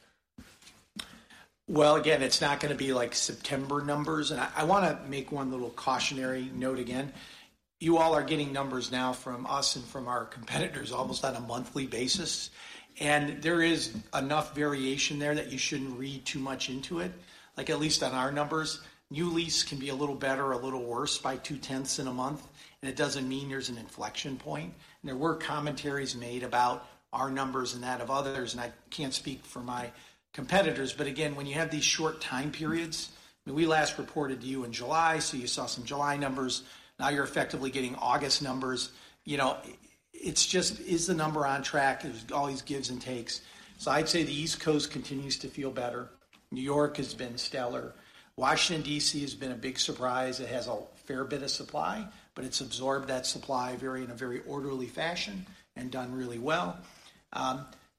well, again, it's not gonna be like September numbers, and I wanna make one little cautionary note again. You all are getting numbers now from us and from our competitors almost on a monthly basis, and there is enough variation there that you shouldn't read too much into it. Like, at least on our numbers, new lease can be a little better or a little worse by 0.2 in a month, and it doesn't mean there's an inflection point. There were commentaries made about our numbers and that of others, and I can't speak for my competitors, but again, when you have these short time periods, when we last reported to you in July, so you saw some July numbers, now you're effectively getting August numbers. You know, it's just... Is the number on track? There's all these gives and takes. So I'd say the East Coast continues to feel better. New York has been stellar. Washington, D.C. has been a big surprise. It has a fair bit of supply, but it's absorbed that supply very, in a very orderly fashion and done really well.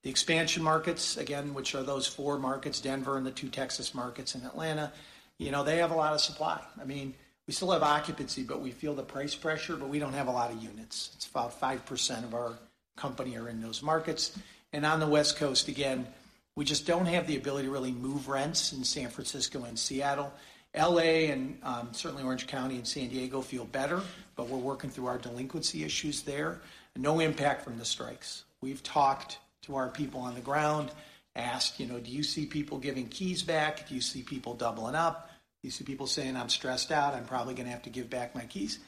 The expansion markets, again, which are those four markets, Denver and the two Texas markets and Atlanta, you know, they have a lot of supply. I mean, we still have occupancy, but we feel the price pressure, but we don't have a lot of units. It's about 5% of our company are in those markets. On the West Coast, again, we just don't have the ability to really move rents in San Francisco and Seattle. L.A., and certainly Orange County and San Diego feel better, but we're working through our delinquency issues there. No impact from the strikes. We've talked to our people on the ground, asked, you know, "Do you see people giving keys back? Do you see people doubling up? Do you see people saying, 'I'm stressed out, I'm probably gonna have to give back my keys?'"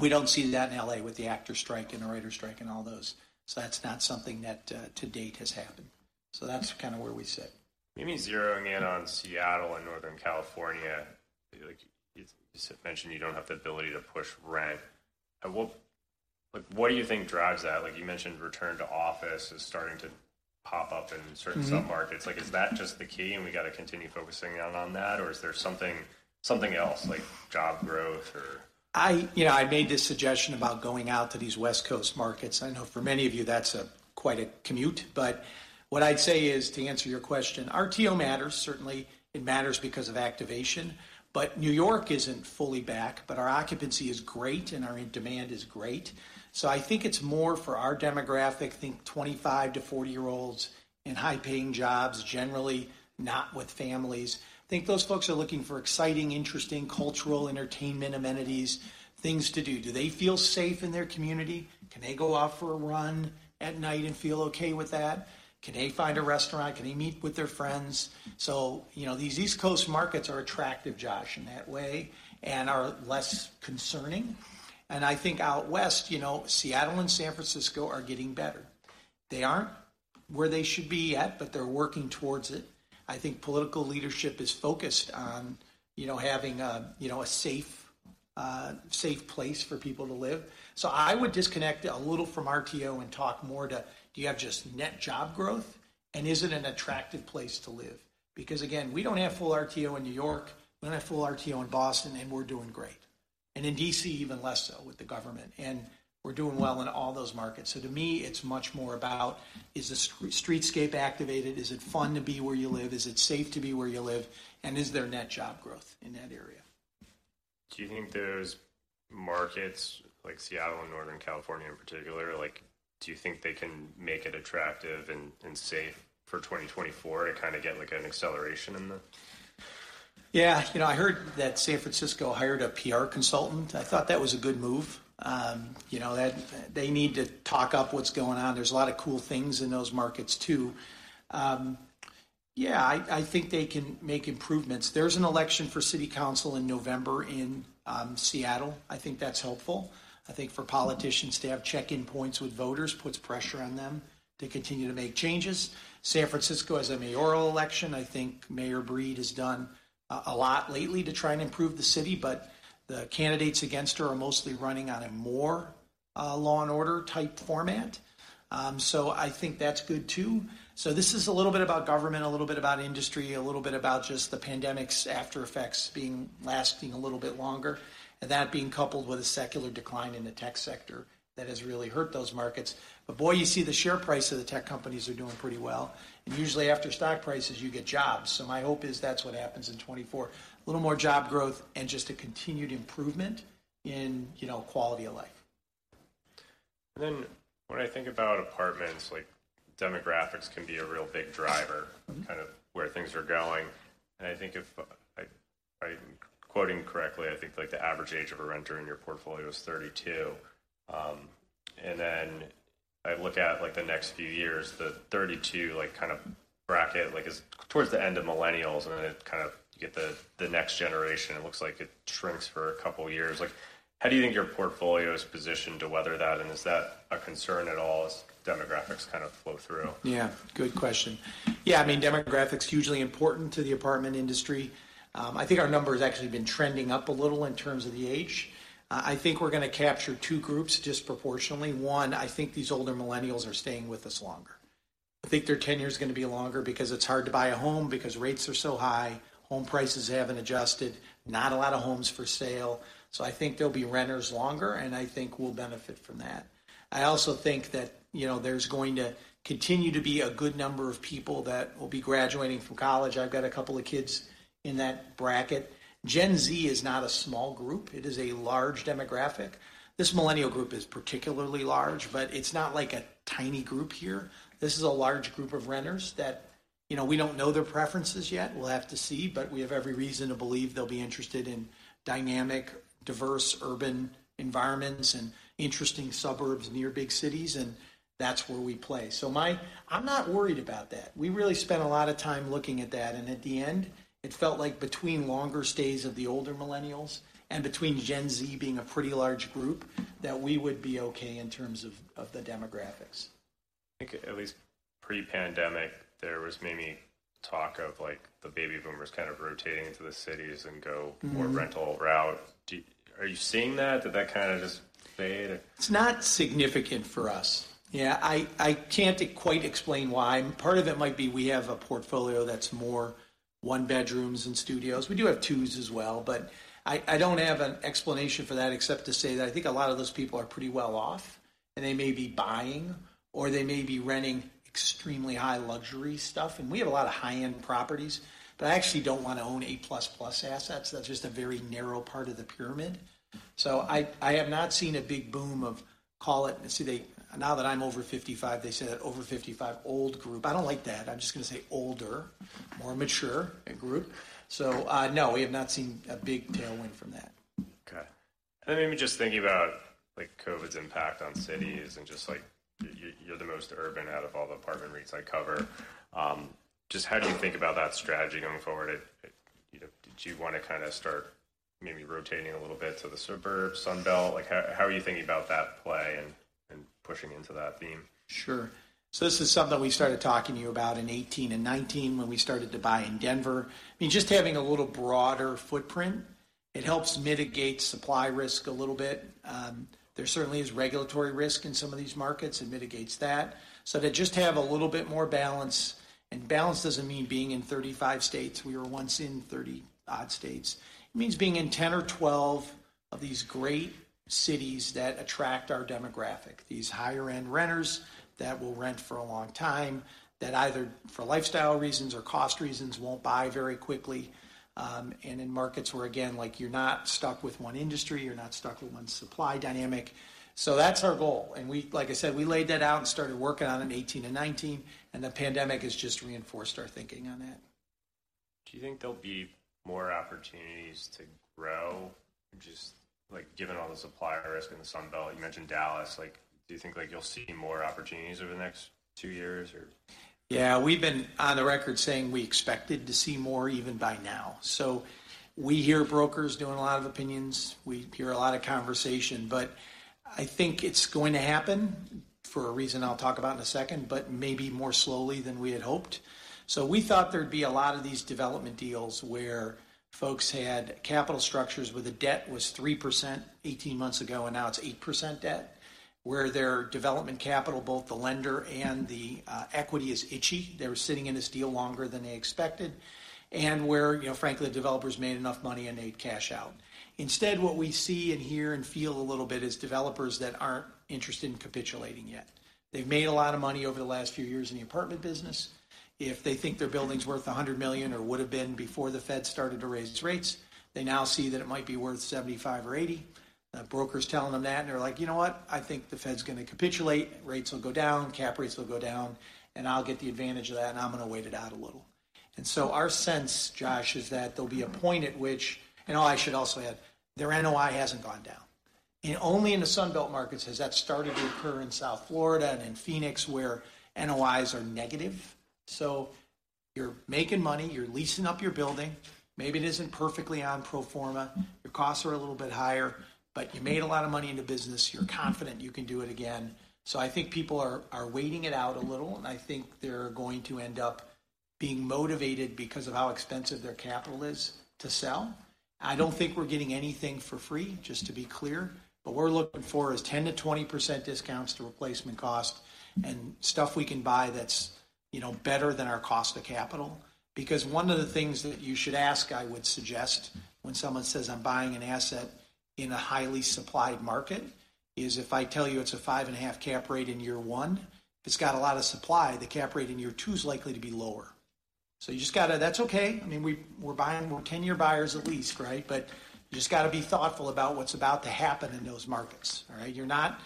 We don't see that in L.A. with the actors' strike, and the writers' strike, and all those, so that's not something that, to date, has happened. So that's kind of where we sit. Maybe zeroing in on Seattle and Northern California, like, you, you mentioned you don't have the ability to push rent. well, like, what do you think drives that? Like, you mentioned return to office is starting to pop up in- Mm-hmm... certain submarkets. Like, is that just the key, and we got to continue focusing in on that, or is there something else, like job growth or? You know, I made this suggestion about going out to these West Coast markets. I know for many of you, that's quite a commute, but what I'd say is, to answer your question, RTO matters. Certainly, it matters because of activation. But New York isn't fully back, but our occupancy is great and our demand is great. So I think it's more for our demographic, think 25-40-year-olds in high-paying jobs, generally not with families. I think those folks are looking for exciting, interesting cultural entertainment, amenities, things to do. Do they feel safe in their community? Can they go out for a run at night and feel okay with that? Can they find a restaurant? Can they meet with their friends? So, you know, these East Coast markets are attractive, Josh, in that way and are less concerning. And I think out West, you know, Seattle and San Francisco are getting better. They aren't where they should be yet, but they're working towards it. I think political leadership is focused on, you know, having a, you know, a safe, safe place for people to live. So I would disconnect a little from RTO and talk more to: Do you have just net job growth, and is it an attractive place to live? Because, again, we don't have full RTO in New York, we don't have full RTO in Boston, and we're doing great, and in D.C., even less so with the government, and we're doing well in all those markets. So to me, it's much more about, is the streetscape activated? Is it fun to be where you live? Is it safe to be where you live, and is there net job growth in that area? Do you think there's markets like Seattle and Northern California in particular, like, do you think they can make it attractive and safe for 2024 to kind of get, like, an acceleration in that? Yeah. You know, I heard that San Francisco hired a PR consultant. I thought that was a good move. You know, they need to talk up what's going on. There's a lot of cool things in those markets, too. Yeah, I think they can make improvements. There's an election for city council in November in Seattle. I think that's helpful. I think for politicians to have check-in points with voters puts pressure on them to continue to make changes. San Francisco has a mayoral election. I think Mayor Breed has done a lot lately to try and improve the city, but the candidates against her are mostly running on a more law and order type format, so I think that's good, too. So this is a little bit about government, a little bit about industry, a little bit about just the pandemic's aftereffects being... lasting a little bit longer, and that being coupled with a secular decline in the tech sector that has really hurt those markets. But, boy, you see the share price of the tech companies are doing pretty well, and usually after stock prices, you get jobs. So my hope is that's what happens in 2024, a little more job growth and just a continued improvement in, you know, quality of life. Then when I think about apartments, like, demographics can be a real big driver- Mm-hmm... kind of where things are going, and I think if I, I'm quoting correctly, I think, like, the average age of a renter in your portfolio is 32. And then I look at, like, the next few years, the 32, like, kind of bracket, like, is towards the end of millennials, and then it kind of, you get the, the next generation. It looks like it shrinks for a couple of years. Like, how do you think your portfolio is positioned to weather that, and is that a concern at all as demographics kind of flow through? Yeah, good question. Yeah, I mean, demographics hugely important to the apartment industry. I think our number has actually been trending up a little in terms of the age. I think we're gonna capture two groups disproportionately. One, I think these older millennials are staying with us longer.... I think their ten is going to be longer because it's hard to buy a home because rates are so high. Home prices haven't adjusted, not a lot of homes for sale. So I think they'll be renters longer, and I think we'll benefit from that. I also think that, you know, there's going to continue to be a good number of people that will be graduating from college. I've got a couple of kids in that bracket. Gen Z is not a small group. It is a large demographic. This millennial group is particularly large, but it's not like a tiny group here. This is a large group of renters that, you know, we don't know their preferences yet. We'll have to see, but we have every reason to believe they'll be interested in dynamic, diverse urban environments and interesting suburbs near big cities, and that's where we play. So I'm not worried about that. We really spent a lot of time looking at that, and at the end, it felt like between longer stays of the older millennials and between Gen Z being a pretty large group, that we would be okay in terms of, of the demographics. I think at least pre-pandemic, there was maybe talk of like the baby boomers kind of rotating into the cities and go- Mm-hmm. Are you seeing that? Did that kind of just fade or? It's not significant for us. Yeah, I, I can't quite explain why. Part of it might be we have a portfolio that's more one bedrooms and studios. We do have twos as well, but I, I don't have an explanation for that except to say that I think a lot of those people are pretty well off, and they may be buying, or they may be renting extremely high luxury stuff, and we have a lot of high-end properties, but I actually don't want to own A plus plus assets. That's just a very narrow part of the pyramid. So I, I have not seen a big boom of, call it... See, they, now that I'm over 55, they say that over 55 old group. I don't like that. I'm just going to say older, more mature group. So, no, we have not seen a big tailwind from that. Okay. And then maybe just thinking about, like, COVID's impact on cities and just like, you're the most urban out of all the apartment REITs I cover. Just how do you think about that strategy going forward? If, you know, did you want to kind of start maybe rotating a little bit to the suburbs, Sun Belt? Like, how, how are you thinking about that play and, and pushing into that theme? Sure. So this is something we started talking to you about in 2018 and 2019 when we started to buy in Denver. I mean, just having a little broader footprint, it helps mitigate supply risk a little bit. There certainly is regulatory risk in some of these markets and mitigates that. So to just have a little bit more balance, and balance doesn't mean being in 35 states. We were once in 30-odd states. It means being in 10 or 12 of these great cities that attract our demographic, these higher-end renters that will rent for a long time, that either for lifestyle reasons or cost reasons, won't buy very quickly. And in markets where, again, like, you're not stuck with one industry, you're not stuck with one supply dynamic. So that's our goal, and we—like I said, we laid that out and started working on it in 2018 and 2019, and the pandemic has just reinforced our thinking on that. Do you think there'll be more opportunities to grow, just, like, given all the supply risk in the Sun Belt? You mentioned Dallas. Like, do you think, like, you'll see more opportunities over the next two years, or? Yeah, we've been on the record saying we expected to see more even by now. So we hear brokers doing a lot of opinions. We hear a lot of conversation, but I think it's going to happen for a reason I'll talk about in a second, but maybe more slowly than we had hoped. So we thought there'd be a lot of these development deals where folks had capital structures where the debt was 3% 18 months ago, and now it's 8% debt, where their development capital, both the lender and the equity, is itchy. They were sitting in this deal longer than they expected, and where, you know, frankly, the developers made enough money, and they'd cash out. Instead, what we see and hear and feel a little bit is developers that aren't interested in capitulating yet. They've made a lot of money over the last few years in the apartment business. If they think their building's worth $100 million or would have been before the Fed started to raise its rates, they now see that it might be worth $75 million or $80 million. Brokers telling them that, and they're like: "You know what? I think the Fed's going to capitulate, rates will go down, cap rates will go down, and I'll get the advantage of that, and I'm going to wait it out a little." And so our sense, Josh, is that there'll be a point at which... And oh! I should also add, their NOI hasn't gone down. And only in the Sun Belt markets has that started to occur in South Florida and in Phoenix, where NOIs are negative. So you're making money, you're leasing up your building. Maybe it isn't perfectly on pro forma, your costs are a little bit higher, but you made a lot of money in the business. You're confident you can do it again. So I think people are waiting it out a little, and I think they're going to end up being motivated because of how expensive their capital is to sell. I don't think we're getting anything for free, just to be clear, but we're looking for 10%-20% discounts to replacement cost and stuff we can buy that's, you know, better than our cost of capital. Because one of the things that you should ask, I would suggest, when someone says, "I'm buying an asset in a highly supplied market," is if I tell you it's a 5.5 cap rate in year one, it's got a lot of supply, the cap rate in year two is likely to be lower. So you just gotta. That's okay. I mean, we're buying, we're 10-year buyers at least, right? But you just got to be thoughtful about what's about to happen in those markets. All right? You're not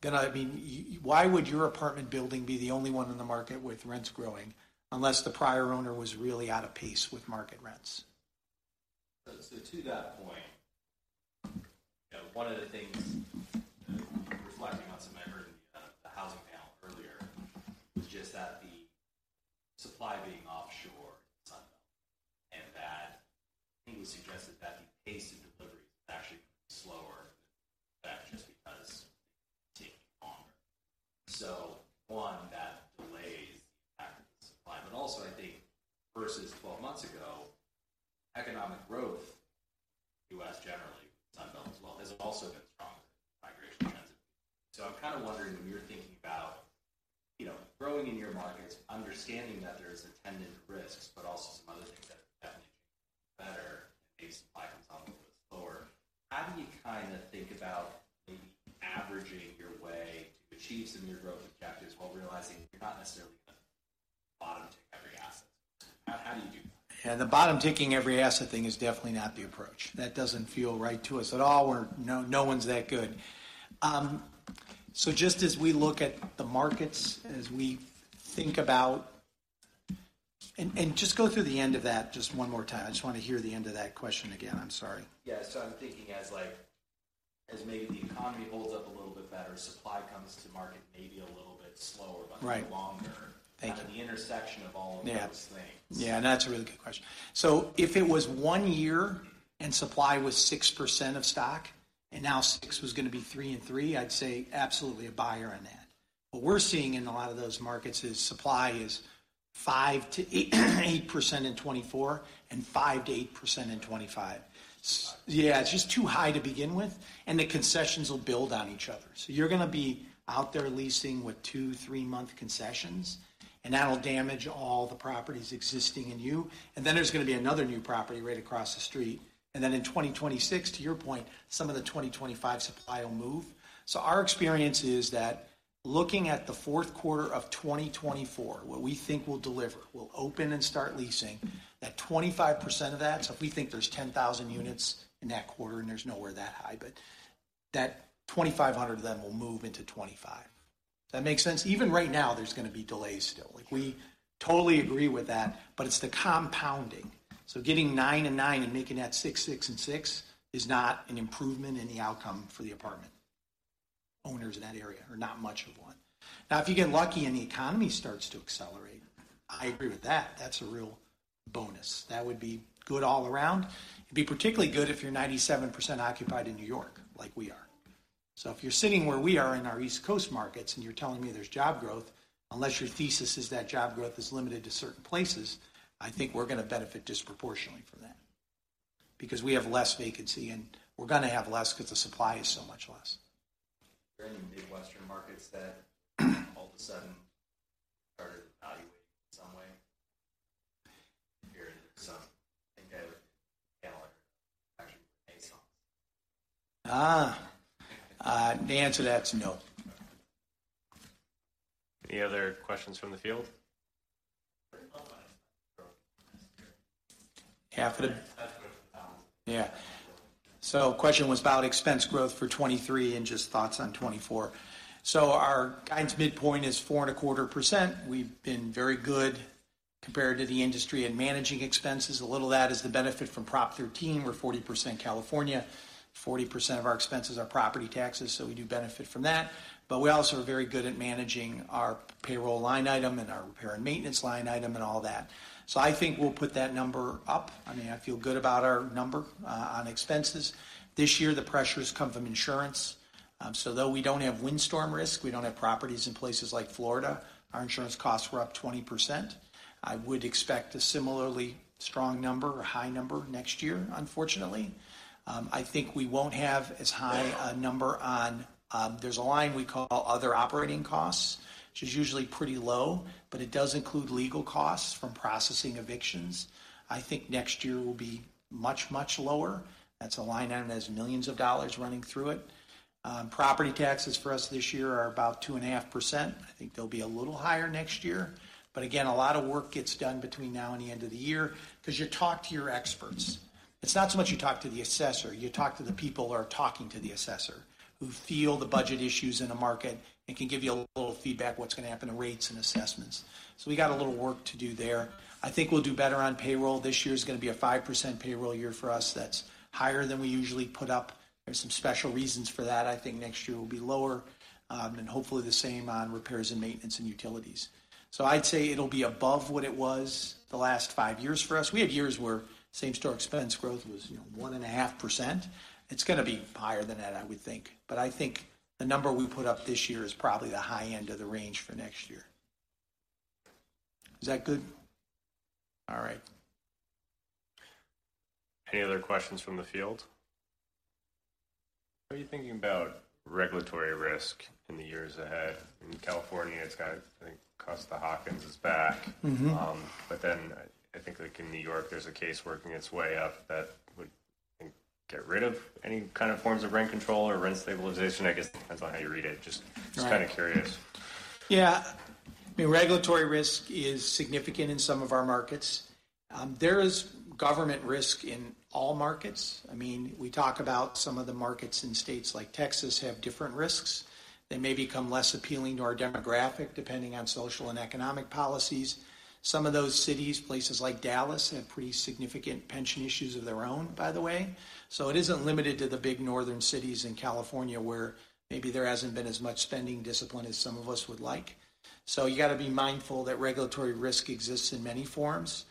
gonna. I mean, why would your apartment building be the only one in the market with rents growing unless the prior owner was really out of pace with market rents? So to that point, you know, one of the things, reflecting on some I heard in the housing panel earlier, was just that the supply being offshore in Sun Belt, and that, I think we suggested that the pace of delivery is actually slower than that just because it's taking longer. So on that delay-... but also I think versus 12 months ago, economic growth, U.S. generally, not well as well, has also been strong migration. So I'm kind of wondering when you're thinking about, you know, growing in your markets, understanding that there's attendant risks, but also some other things that are definitely better if supply comes off a bit lower. How do you kind of think about maybe averaging your way to achieve some of your growth objectives while realizing you're not necessarily gonna bottom-tick every asset? How, how do you do that? Yeah, the bottom-ticking every asset thing is definitely not the approach. That doesn't feel right to us at all. We're no, no one's that good. So just as we look at the markets, as we think about... and just go through the end of that just one more time. I just wanna hear the end of that question again. I'm sorry. Yeah. So I'm thinking as like, as maybe the economy holds up a little bit better, supply comes to market, maybe a little bit slower- Right. But longer. Thank you. Kind of the intersection of all of those things. Yeah, and that's a really good question. So if it was one year and supply was 6% of stock, and now 6 was gonna be 3 and 3, I'd say absolutely a buyer on that. What we're seeing in a lot of those markets is supply is 5-8% in 2024 and 5-8% in 2025. Five- Yeah, it's just too high to begin with, and the concessions will build on each other. So you're gonna be out there leasing with 2-3-month concessions, and that'll damage all the properties existing in you. And then there's gonna be another new property right across the street, and then in 2026, to your point, some of the 2025 supply will move. So our experience is that looking at the fourth quarter of 2024, what we think will deliver, will open and start leasing, that 25% of that, so if we think there's 10,000 units in that quarter, and there's nowhere that high, but that 2,500 of them will move into 2025. Does that make sense? Even right now, there's gonna be delays still. We totally agree with that, but it's the compounding. So getting 9 and 9 and making that 6, 6, and 6 is not an improvement in the outcome for the apartment owners in that area are not much of one. Now, if you get lucky and the economy starts to accelerate, I agree with that. That's a real bonus. That would be good all around. It'd be particularly good if you're 97% occupied in New York, like we are. So if you're sitting where we are in our East Coast markets, and you're telling me there's job growth, unless your thesis is that job growth is limited to certain places, I think we're gonna benefit disproportionately from that because we have less vacancy, and we're gonna have less because the supply is so much less. there any big Western markets that all of a sudden started evaluating in some way here? So I think I would handle it actually, Jason. The answer to that is no. Any other questions from the field? Half of it. That's good. Yeah. So question was about expense growth for 2023 and just thoughts on 2024. So our guidance midpoint is 4.25%. We've been very good compared to the industry in managing expenses. A little of that is the benefit from Prop 13, we're 40% California. 40% of our expenses are property taxes, so we do benefit from that, but we also are very good at managing our payroll line item and our repair and maintenance line item and all that. So I think we'll put that number up. I mean, I feel good about our number on expenses. This year, the pressures come from insurance. So though we don't have windstorm risk, we don't have properties in places like Florida, our insurance costs were up 20%. I would expect a similarly strong number or high number next year, unfortunately. I think we won't have as high a number on... There's a line we call other operating costs, which is usually pretty low, but it does include legal costs from processing evictions. I think next year will be much, much lower. That's a line item that has millions of dollars running through it. Property taxes for us this year are about 2.5%. I think they'll be a little higher next year, but again, a lot of work gets done between now and the end of the year because you talk to your experts. It's not so much you talk to the assessor, you talk to the people who are talking to the assessor, who feel the budget issues in the market and can give you a little feedback, what's gonna happen to rates and assessments. So we got a little work to do there. I think we'll do better on payroll. This year is gonna be a 5% payroll year for us. That's higher than we usually put up. There's some special reasons for that. I think next year will be lower, and hopefully the same on repairs and maintenance and utilities. So I'd say it'll be above what it was the last five years for us. We had years where same-store expense growth was, you know, 1.5%. It's gonna be higher than that, I would think, but I think the number we put up this year is probably the high end of the range for next year. Is that good? All right. Any other questions from the field? What are you thinking about regulatory risk in the years ahead? In California, it's got, I think, Costa-Hawkins is back. Mm-hmm. But then I think like in New York, there's a case working its way up that would get rid of any kind of forms of rent control or rent stabilization. I guess it depends on how you read it. Just- Right. Just kind of curious. Yeah. I mean, regulatory risk is significant in some of our markets. There is government risk in all markets. I mean, we talk about some of the markets in states like Texas have different risks. They may become less appealing to our demographic, depending on social and economic policies. Some of those cities, places like Dallas, have pretty significant pension issues of their own, by the way. So it isn't limited to the big northern cities in California, where maybe there hasn't been as much spending discipline as some of us would like. So you got to be mindful that regulatory risk exists in many forms.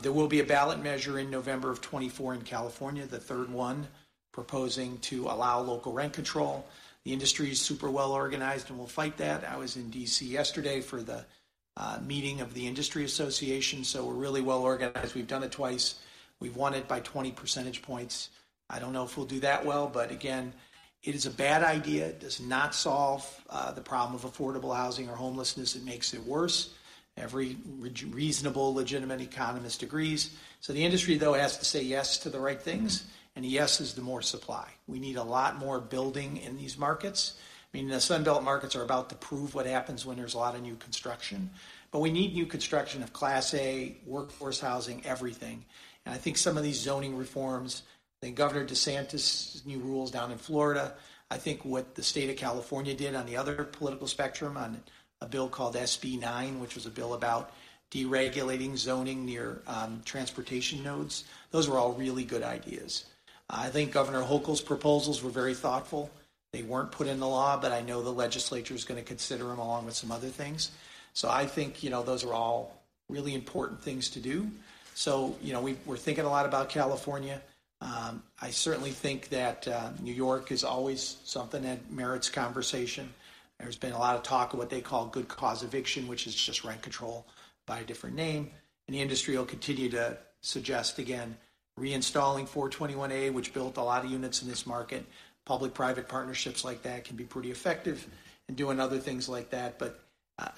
There will be a ballot measure in November of 2024 in California, the third one, proposing to allow local rent control. The industry is super well-organized and will fight that. I was in D.C. yesterday for the-... Meeting of the industry association, so we're really well organized. We've done it twice. We've won it by 20 percentage points. I don't know if we'll do that well, but again, it is a bad idea. It does not solve the problem of affordable housing or homelessness. It makes it worse. Every reasonable, legitimate economist agrees. So the industry, though, has to say yes to the right things, and yes is the more supply. We need a lot more building in these markets. I mean, the Sun Belt markets are about to prove what happens when there's a lot of new construction. But we need new construction of Class A, workforce housing, everything, and I think some of these zoning reforms, I think Governor DeSantis' new rules down in Florida, I think what the state of California did on the other political spectrum on a bill called SB 9, which was a bill about deregulating zoning near transportation nodes. Those were all really good ideas. I think Governor Hochul's proposals were very thoughtful. They weren't put in the law, but I know the legislature is gonna consider them along with some other things. So I think, you know, those are all really important things to do. So, you know, we're thinking a lot about California. I certainly think that New York is always something that merits conversation. There's been a lot of talk of what they call Good Cause Eviction, which is just rent control by a different name, and the industry will continue to suggest, again, reinstalling 421-a, which built a lot of units in this market. Public-private partnerships like that can be pretty effective in doing other things like that, but,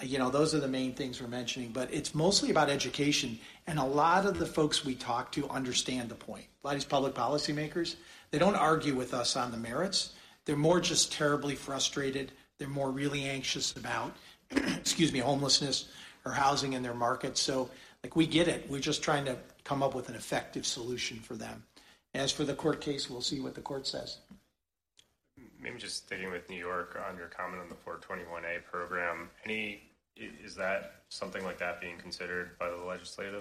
you know, those are the main things we're mentioning. But it's mostly about education, and a lot of the folks we talk to understand the point. A lot of these public policymakers, they don't argue with us on the merits. They're more just terribly frustrated. They're more really anxious about, excuse me, homelessness or housing in their market. So, like, we get it. We're just trying to come up with an effective solution for them. As for the court case, we'll see what the court says. Maybe just staying with New York on your comment on the 421-a program, is that something like that being considered by the legislature?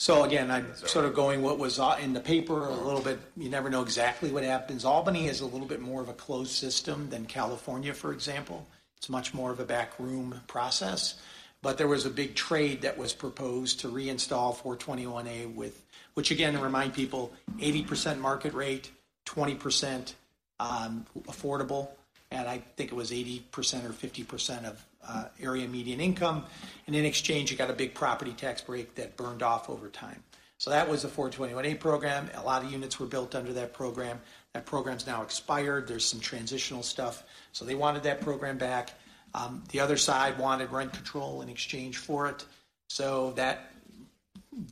So again, I'm sort of going what was in the paper a little bit. You never know exactly what happens. Albany is a little bit more of a closed system than California, for example. It's much more of a back room process, but there was a big trade that was proposed to reinstall 421-a with... Which again, to remind people, 80% market rate, 20% affordable, and I think it was 80% or 50% of area median income, and in exchange, you got a big property tax break that burned off over time. So that was the 421-a program. A lot of units were built under that program. That program's now expired. There's some transitional stuff. So they wanted that program back. The other side wanted rent control in exchange for it, so that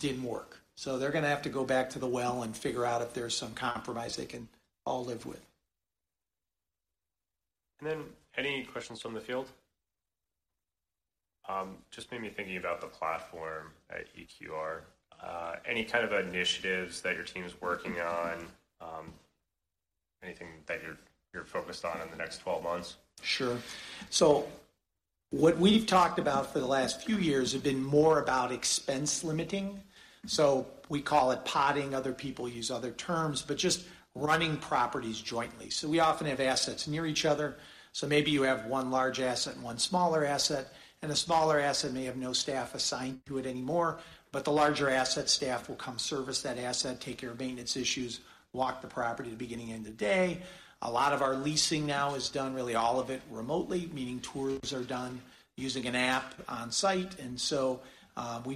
didn't work. So they're gonna have to go back to the well and figure out if there's some compromise they can all live with. Then any questions from the field? Just maybe thinking about the platform at EQR, any kind of initiatives that your team is working on, anything that you're focused on in the next 12 months? Sure. So what we've talked about for the last few years have been more about expense limiting. So we call it podding, other people use other terms, but just running properties jointly. So we often have assets near each other. So maybe you have one large asset and one smaller asset, and the smaller asset may have no staff assigned to it anymore, but the larger asset staff will come service that asset, take care of maintenance issues, lock the property at the beginning and end of the day. A lot of our leasing now is done, really all of it, remotely, meaning tours are done using an app on site, and so, we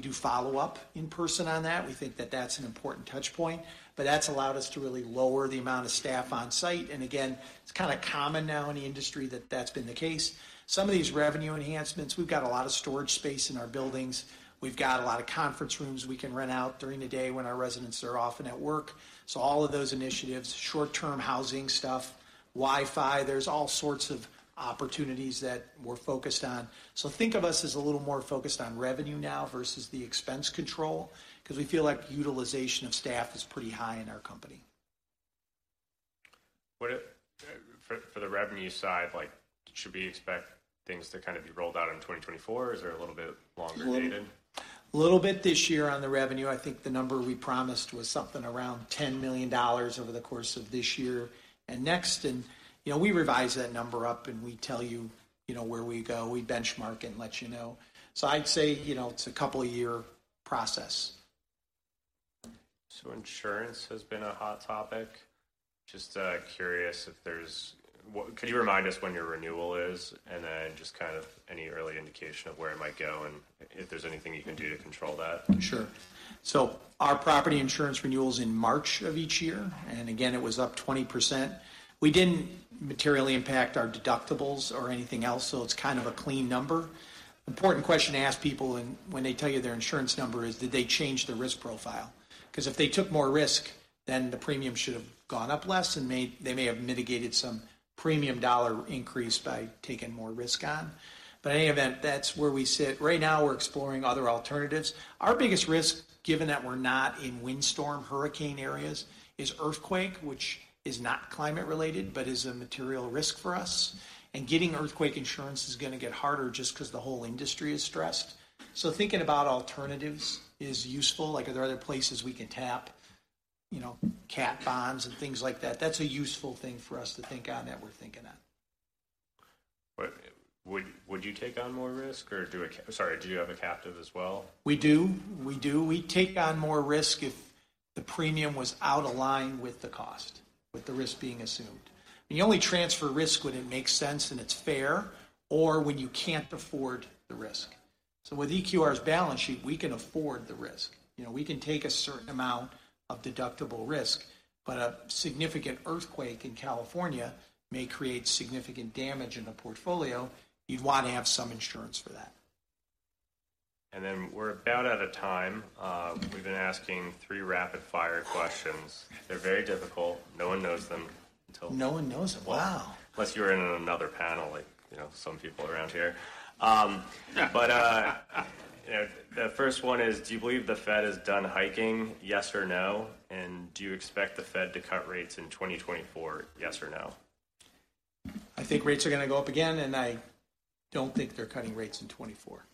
do follow up in person on that. We think that that's an important touch point, but that's allowed us to really lower the amount of staff on site, and again, it's kinda common now in the industry that that's been the case. Some of these revenue enhancements, we've got a lot of storage space in our buildings. We've got a lot of conference rooms we can rent out during the day when our residents are often at work. So all of those initiatives, short-term housing stuff, Wi-Fi, there's all sorts of opportunities that we're focused on. So think of us as a little more focused on revenue now versus the expense control, 'cause we feel like utilization of staff is pretty high in our company. For the revenue side, like, should we expect things to kind of be rolled out in 2024, or is there a little bit longer dated? Little bit this year on the revenue. I think the number we promised was something around $10 million over the course of this year and next, and, you know, we revise that number up and we tell you, you know, where we go. We benchmark it and let you know. So I'd say, you know, it's a couple of year process. So insurance has been a hot topic. Just curious, could you remind us when your renewal is, and then just kind of any early indication of where it might go, and if there's anything you can do to control that? Sure. So our property insurance renewal is in March of each year, and again, it was up 20%. We didn't materially impact our deductibles or anything else, so it's kind of a clean number. Important question to ask people and when they tell you their insurance number is, did they change their risk profile? 'Cause if they took more risk, then the premium should have gone up less, and they may have mitigated some premium dollar increase by taking more risk on. But in any event, that's where we sit. Right now, we're exploring other alternatives. Our biggest risk, given that we're not in windstorm, hurricane areas, is earthquake, which is not climate related, but is a material risk for us, and getting earthquake insurance is gonna get harder just 'cause the whole industry is stressed. Thinking about alternatives is useful, like are there other places we can tap, you know, cat bonds and things like that. That's a useful thing for us to think on, that we're thinking on. But would you take on more risk, or do a... Sorry, do you have a captive as well? We do, we do. We take on more risk if the premium was out of line with the cost, with the risk being assumed. You only transfer risk when it makes sense and it's fair, or when you can't afford the risk. So with EQR's balance sheet, we can afford the risk. You know, we can take a certain amount of deductible risk, but a significant earthquake in California may create significant damage in the portfolio. You'd want to have some insurance for that. And then we're about out of time. We've been asking three rapid-fire questions. They're very difficult. No one knows them until- No one knows them? Wow! Unless you were in another panel, like, you know, some people around here. The first one is, do you believe the Fed is done hiking, yes or no? And do you expect the Fed to cut rates in 2024, yes or no? I think rates are gonna go up again, and I don't think they're cutting rates in 2024.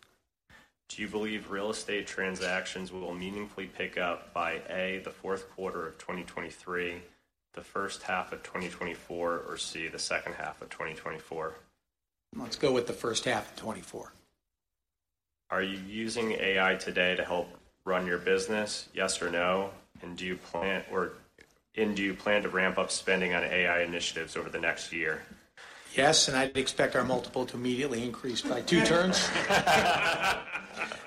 Do you believe real estate transactions will meaningfully pick up by, A, the fourth quarter of 2023, the first half of 2024, or C, the second half of 2024? Let's go with the first half of 2024. Are you using AI today to help run your business, yes or no? And do you plan to ramp up spending on AI initiatives over the next year? Yes, and I'd expect our multiple to immediately increase by two turns.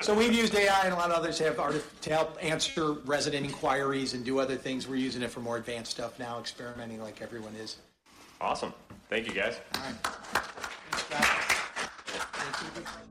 So we've used AI, and a lot of others have, to help answer resident inquiries and do other things. We're using it for more advanced stuff now, experimenting like everyone is. Awesome. Thank you, guys. All right. Thanks, guys.... My name is Camille Bonnel. I am the Office and Industrial U.S. REIT Analyst here at Bank of America, and I'm joined by my colleague, Dan Byun. Today's roundtable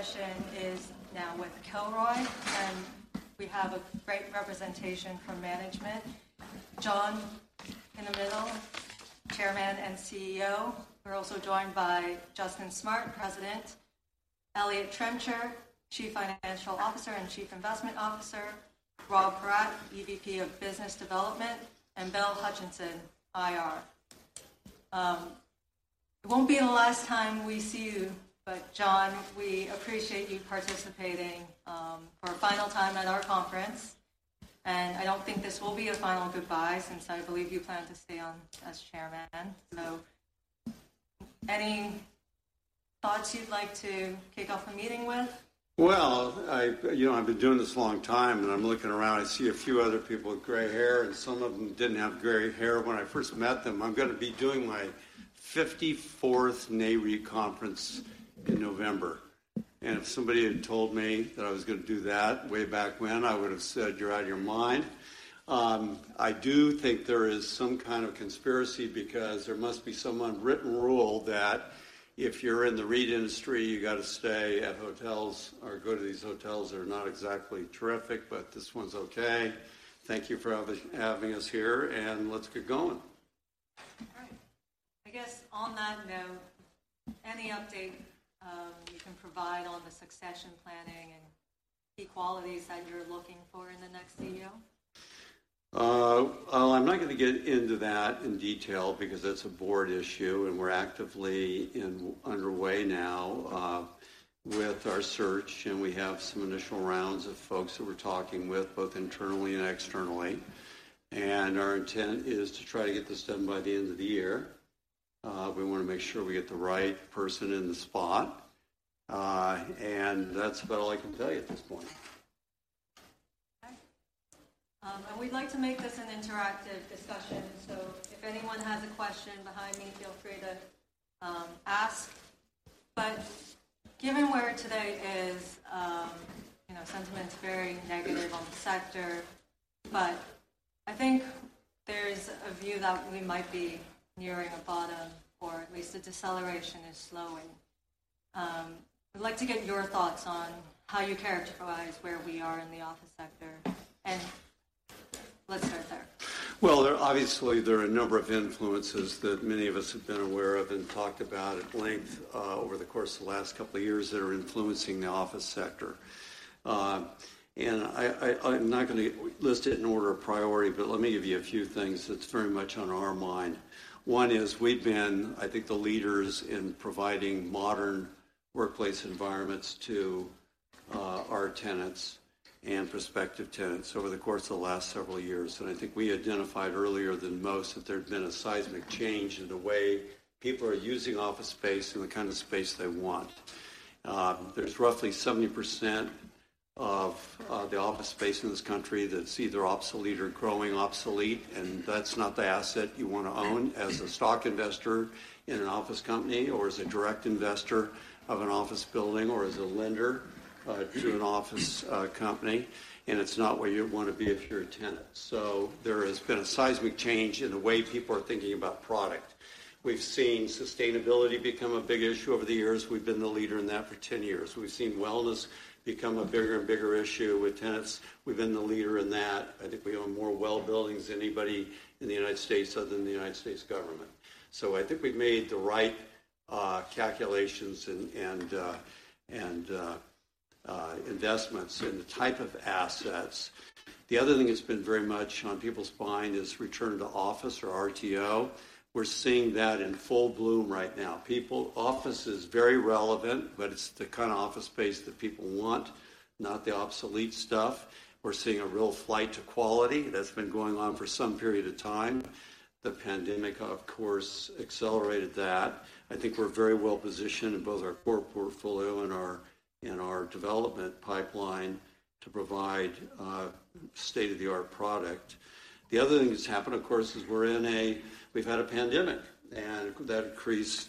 session is now with Kilroy, and we have a great representation from management. John, in the middle, Chairman and CEO. We're also joined by Justin Smart, President; Eliott Trencher, Chief Financial Officer and Chief Investment Officer; Rob Paratte, EVP of Business Development; and Bill Hutchinson, IR. It won't be the last time we see you, but John, we appreciate you participating, for a final time at our conference. And I don't think this will be a final goodbye since I believe you plan to stay on as chairman. So any thoughts you'd like to kick off the meeting with? well, I, you know, I've been doing this a long time, and I'm looking around, I see a few other people with gray hair, and some of them didn't have gray hair when I first met them. I'm going to be doing my fifty-fourth NAREIT conference in November, and if somebody had told me that I was going to do that way back when, I would have said, "You're out of your mind." I do think there is some kind of conspiracy because there must be some unwritten rule that if you're in the REIT industry, you got to stay at hotels or go to these hotels that are not exactly terrific, but this one's okay. Thank you for having, having us here, and let's get going. All right. I guess on that note, any update you can provide on the succession planning and key qualities that you're looking for in the next CEO?... well, I'm not going to get into that in detail because that's a board issue, and we're actively underway now with our search, and we have some initial rounds of folks who we're talking with, both internally and externally. And our intent is to try to get this done by the end of the year. We want to make sure we get the right person in the spot. And that's about all I can tell you at this point. Okay. And we'd like to make this an interactive discussion, so if anyone has a question behind me, feel free to ask. But given where today is, you know, sentiment is very negative on the sector, but I think there's a view that we might be nearing a bottom, or at least the deceleration is slowing. I'd like to get your thoughts on how you characterize where we are in the office sector, and let's start there. well, there obviously, there are a number of influences that many of us have been aware of and talked about at length over the course of the last couple of years that are influencing the office sector. And I'm not going to list it in order of priority, but let me give you a few things that's very much on our mind. One is, we've been, I think, the leaders in providing modern workplace environments to our tenants and prospective tenants over the course of the last several years. And I think we identified earlier than most that there had been a seismic change in the way people are using office space and the kind of space they want. There's roughly 70% of the office space in this country that's either obsolete or growing obsolete, and that's not the asset you want to own as a stock investor in an office company, or as a direct investor of an office building, or as a lender to an office company, and it's not where you want to be if you're a tenant. So there has been a seismic change in the way people are thinking about product. We've seen sustainability become a big issue over the years. We've been the leader in that for 10 years. We've seen wellness become a bigger and bigger issue with tenants. We've been the leader in that. I think we own more well buildings than anybody in the United States, other than the United States government. So I think we've made the right calculations and investments in the type of assets. The other thing that's been very much on people's mind is return to office or RTO. We're seeing that in full bloom right now. People, office is very relevant, but it's the kind of office space that people want, not the obsolete stuff. We're seeing a real flight to quality that's been going on for some period of time. The pandemic, of course, accelerated that. I think we're very well positioned in both our core portfolio and our development pipeline to provide state-of-the-art product. The other thing that's happened, of course, is we're in a... We've had a pandemic, and that,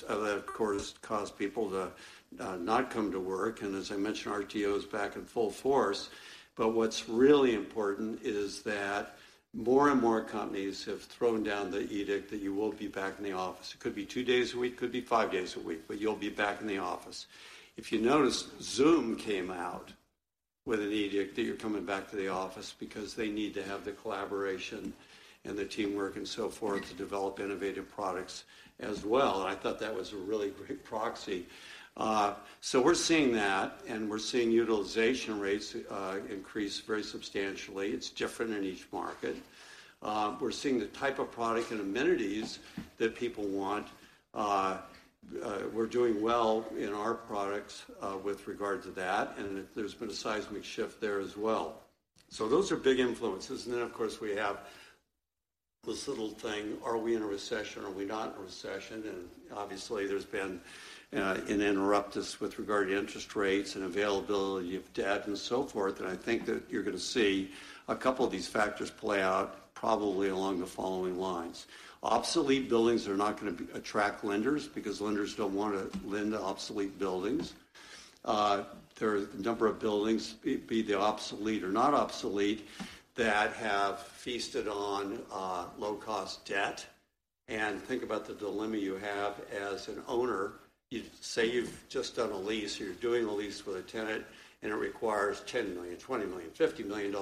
of course, caused people to not come to work. And as I mentioned, RTO is back in full force. What's really important is that more and more companies have thrown down the edict that you will be back in the office. It could be two days a week, could be five days a week, but you'll be back in the office. If you notice, Zoom came out with an edict that you're coming back to the office because they need to have the collaboration and the teamwork and so forth to develop innovative products as well. I thought that was a really great proxy. So we're seeing that, and we're seeing utilization rates increase very substantially. It's different in each market. We're seeing the type of product and amenities that people want. We're doing well in our products with regard to that, and there's been a seismic shift there as well. So those are big influences. And then, of course, we have this little thing, are we in a recession, are we not in a recession? And obviously, there's been an interruptus with regard to interest rates and availability of debt and so forth. And I think that you're going to see a couple of these factors play out probably along the following lines. Obsolete buildings are not going to attract lenders because lenders don't want to lend to obsolete buildings. There are a number of buildings, be they obsolete or not obsolete, that have feasted on low-cost debt. And think about the dilemma you have as an owner. You say, you've just done a lease, or you're doing a lease with a tenant, and it requires $10 million, $20 million, $50 million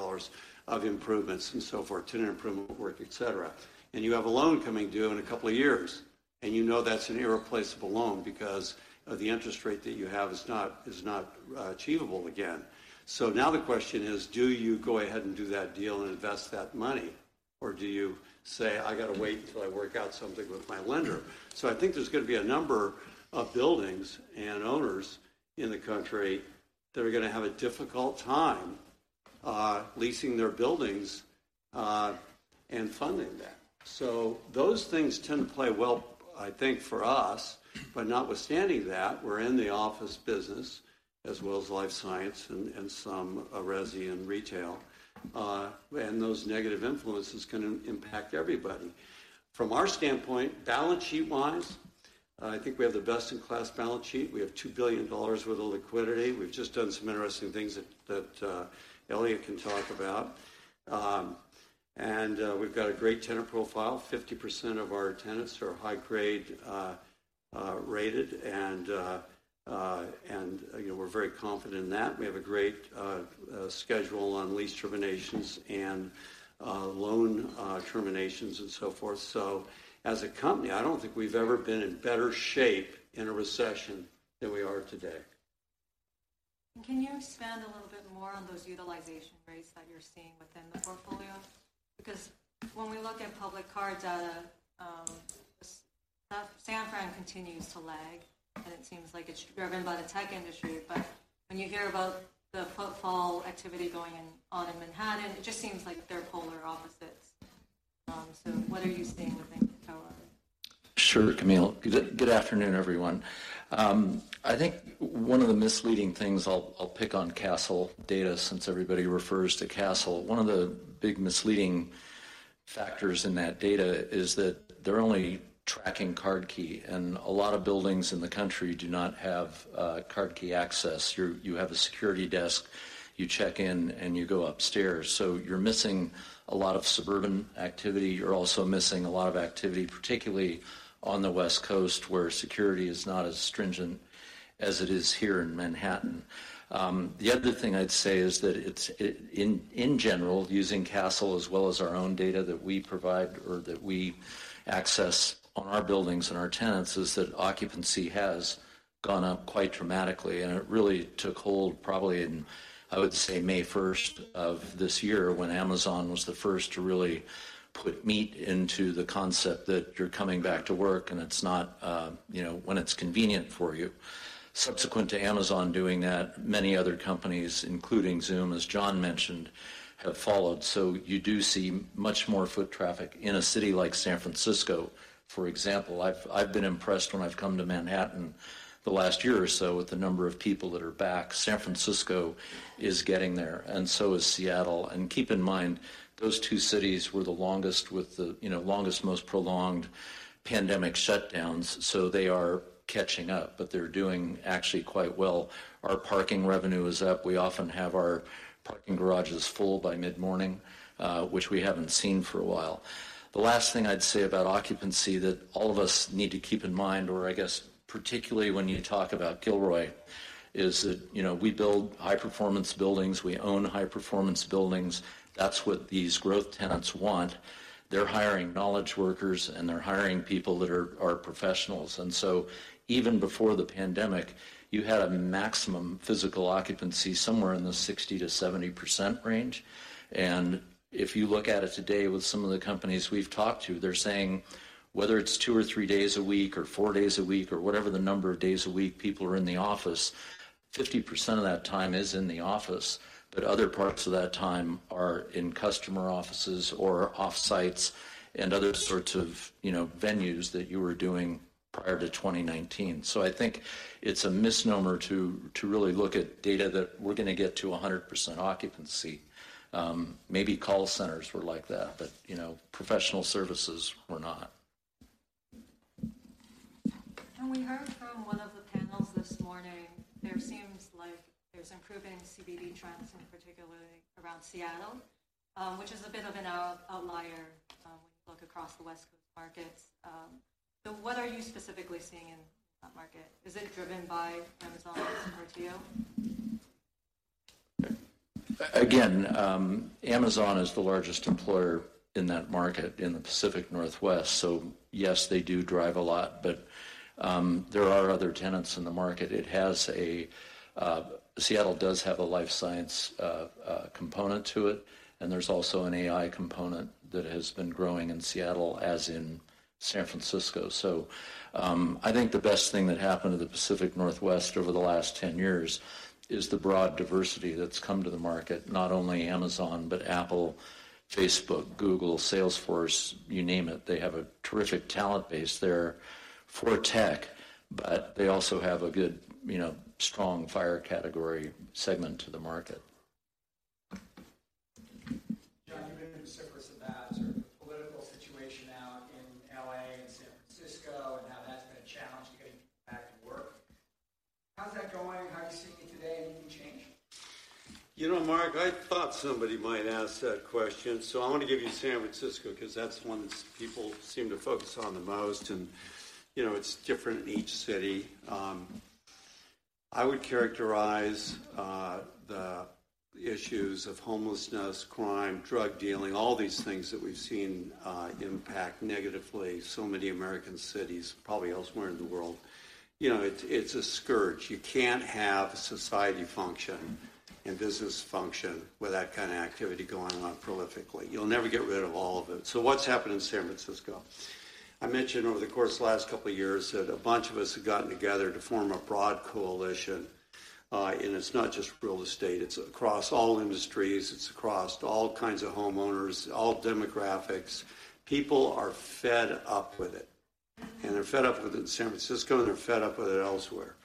of improvements and so forth, tenant improvement work, etcetera. And you have a loan coming due in a couple of years, and you know that's an irreplaceable loan because, the interest rate that you have is not achievable again. So now the question is, do you go ahead and do that deal and invest that money, or do you say, "I got to wait until I work out something with my lender?" So I think there's going to be a number of buildings and owners in the country that are going to have a difficult time, leasing their buildings, and funding that. So those things tend to play well, I think, for us. But notwithstanding that, we're in the office business, as well as life science and some resi and retail, and those negative influences can impact everybody. From our standpoint, balance sheet-wise, I think we have the best-in-class balance sheet. We have $2 billion worth of liquidity. We've just done some interesting things that Eliott can talk about. And we've got a great tenant profile. 50% of our tenants are high-grade rated, and you know, we're very confident in that. We have a great schedule on lease terminations and loan terminations and so forth. So as a company, I don't think we've ever been in better shape in a recession than we are today. Can you expand a little bit more on those utilization rates that you're seeing within the portfolio? Because when we look at public card data, San Fran continues to lag, and it seems like it's driven by the tech industry. But when you hear about the footfall activity going on in Manhattan, it just seems like they're polar opposites. So what are you seeing within Tower? Sure, Camille. Good afternoon, everyone. I think one of the misleading things, I'll, I'll pick on Kastle data, since everybody refers to Kastle. One of the big misleading factors in that data is that they're only tracking card key, and a lot of buildings in the country do not have card key access. You're missing a lot of suburban activity. You're also missing a lot of activity, particularly on the West Coast, where security is not as stringent as it is here in Manhattan. The other thing I'd say is that in general, using Kastle as well as our own data that we provide or that we access on our buildings and our tenants, is that occupancy has gone up quite dramatically, and it really took hold probably in, I would say, May 1st of this year, when Amazon was the first to really put meat into the concept that you're coming back to work, and it's not, you know, when it's convenient for you. Subsequent to Amazon doing that, many other companies, including Zoom, as John mentioned, have followed. So you do see much more foot traffic in a city like San Francisco. For example, I've been impressed when I've come to Manhattan the last year or so with the number of people that are back. San Francisco is getting there, and so is Seattle. Keep in mind, those two cities were the longest with the, you know, longest, most prolonged pandemic shutdowns, so they are catching up, but they're doing actually quite well. Our parking revenue is up. We often have our parking garages full by mid-morning, which we haven't seen for a while. The last thing I'd say about occupancy that all of us need to keep in mind, or I guess, particularly when you talk about Kilroy, is that, you know, we build high-performance buildings. We own high-performance buildings. That's what these growth tenants want. They're hiring knowledge workers, and they're hiring people that are professionals. And so even before the pandemic, you had a maximum physical occupancy somewhere in the 60%-70% range. If you look at it today with some of the companies we've talked to, they're saying whether it's 2 or 3 days a week, or 4 days a week, or whatever the number of days a week people are in the office, 50% of that time is in the office, but other parts of that time are in customer offices or off-sites and other sorts of, you know, venues that you were doing prior to 2019. I think it's a misnomer to really look at data that we're gonna get to 100% occupancy. Maybe call centers were like that, but, you know, professional services were not. And we heard from one of the panels this morning, there seems like there's improving CBD trends, in particular around Seattle, which is a bit of an outlier, when you look across the West Coast markets. So what are you specifically seeing in that market? Is it driven by Amazon or to you? Again, Amazon is the largest employer in that market in the Pacific Northwest. So yes, they do drive a lot, but, there are other tenants in the market. It has a... Seattle does have a life science component to it, and there's also an AI component that has been growing in Seattle as in San Francisco. So, I think the best thing that happened to the Pacific Northwest over the last 10 years is the broad diversity that's come to the market. Not only Amazon, but Apple, Facebook, Google, Salesforce, you name it. They have a terrific talent base there for tech, but they also have a good, you know, strong FIRE category segment to the market. John, you've been in the circus of that, sort of the political situation out in L.A. and San Francisco, and how that's been a challenge to getting people back to work. How's that going? How are you seeing it today? Anything change? You know, Mark, I thought somebody might ask that question. So I want to give you San Francisco, 'cause that's the one that's people seem to focus on the most, and, you know, it's different in each city. I would characterize the issues of homelessness, crime, drug dealing, all these things that we've seen impact negatively so many American cities, probably elsewhere in the world. You know, it, it's a scourge. You can't have society function and business function with that kind of activity going on prolifically. You'll never get rid of all of it. So what's happened in San Francisco? I mentioned over the course of the last couple of years that a bunch of us have gotten together to form a broad coalition, and it's not just real estate, it's across all industries, it's across all kinds of homeowners, all demographics. People are fed up with it, and they're fed up with it in San Francisco, and they're fed up with it elsewhere.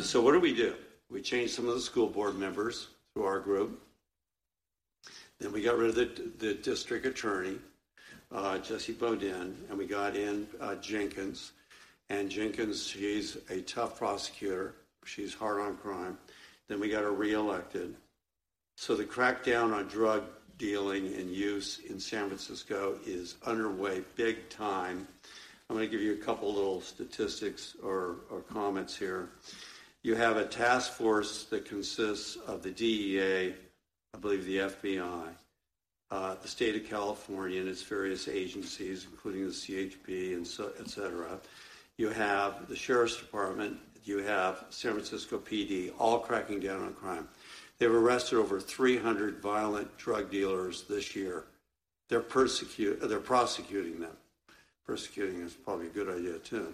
So what do we do? We changed some of the school board members through our group, then we got rid of the district attorney, Chesa Boudin, and we got in Jenkins. And Jenkins, she's a tough prosecutor. She's hard on crime. Then we got her reelected. So the crackdown on drug dealing and use in San Francisco is underway big time. I'm gonna give you a couple little statistics or comments here. You have a task force that consists of the DEA, I believe the FBI, the state of California and its various agencies, including the CHP and so, et cetera. You have the sheriff's department, you have San Francisco PD, all cracking down on crime. They've arrested over 300 violent drug dealers this year. They're prosecuting them. Persecuting is probably a good idea, too.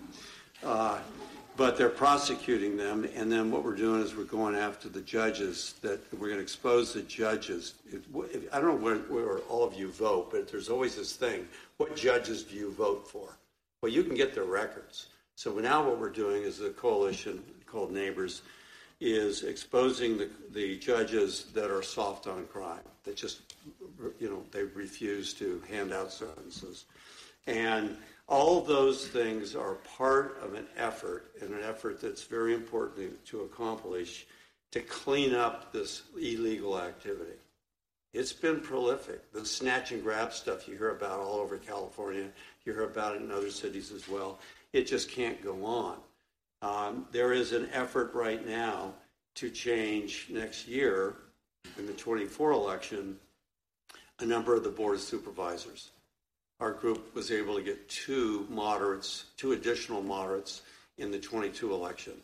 But they're prosecuting them, and then what we're doing is we're going after the judges that we're going to expose the judges. I don't know where all of you vote, but there's always this thing: What judges do you vote for? well, you can get their records. So now what we're doing is a coalition called Neighbors is exposing the judges that are soft on crime. They just, you know, they refuse to hand out sentences. And all those things are part of an effort, an effort that's very important to accomplish, to clean up this illegal activity. It's been prolific. The snatch-and-grab stuff you hear about all over California, you hear about it in other cities as well, it just can't go on. There is an effort right now to change next year, in the 2024 election, a number of the Board of supervisors. Our group was able to get two moderates, two additional moderates in the 2022 election.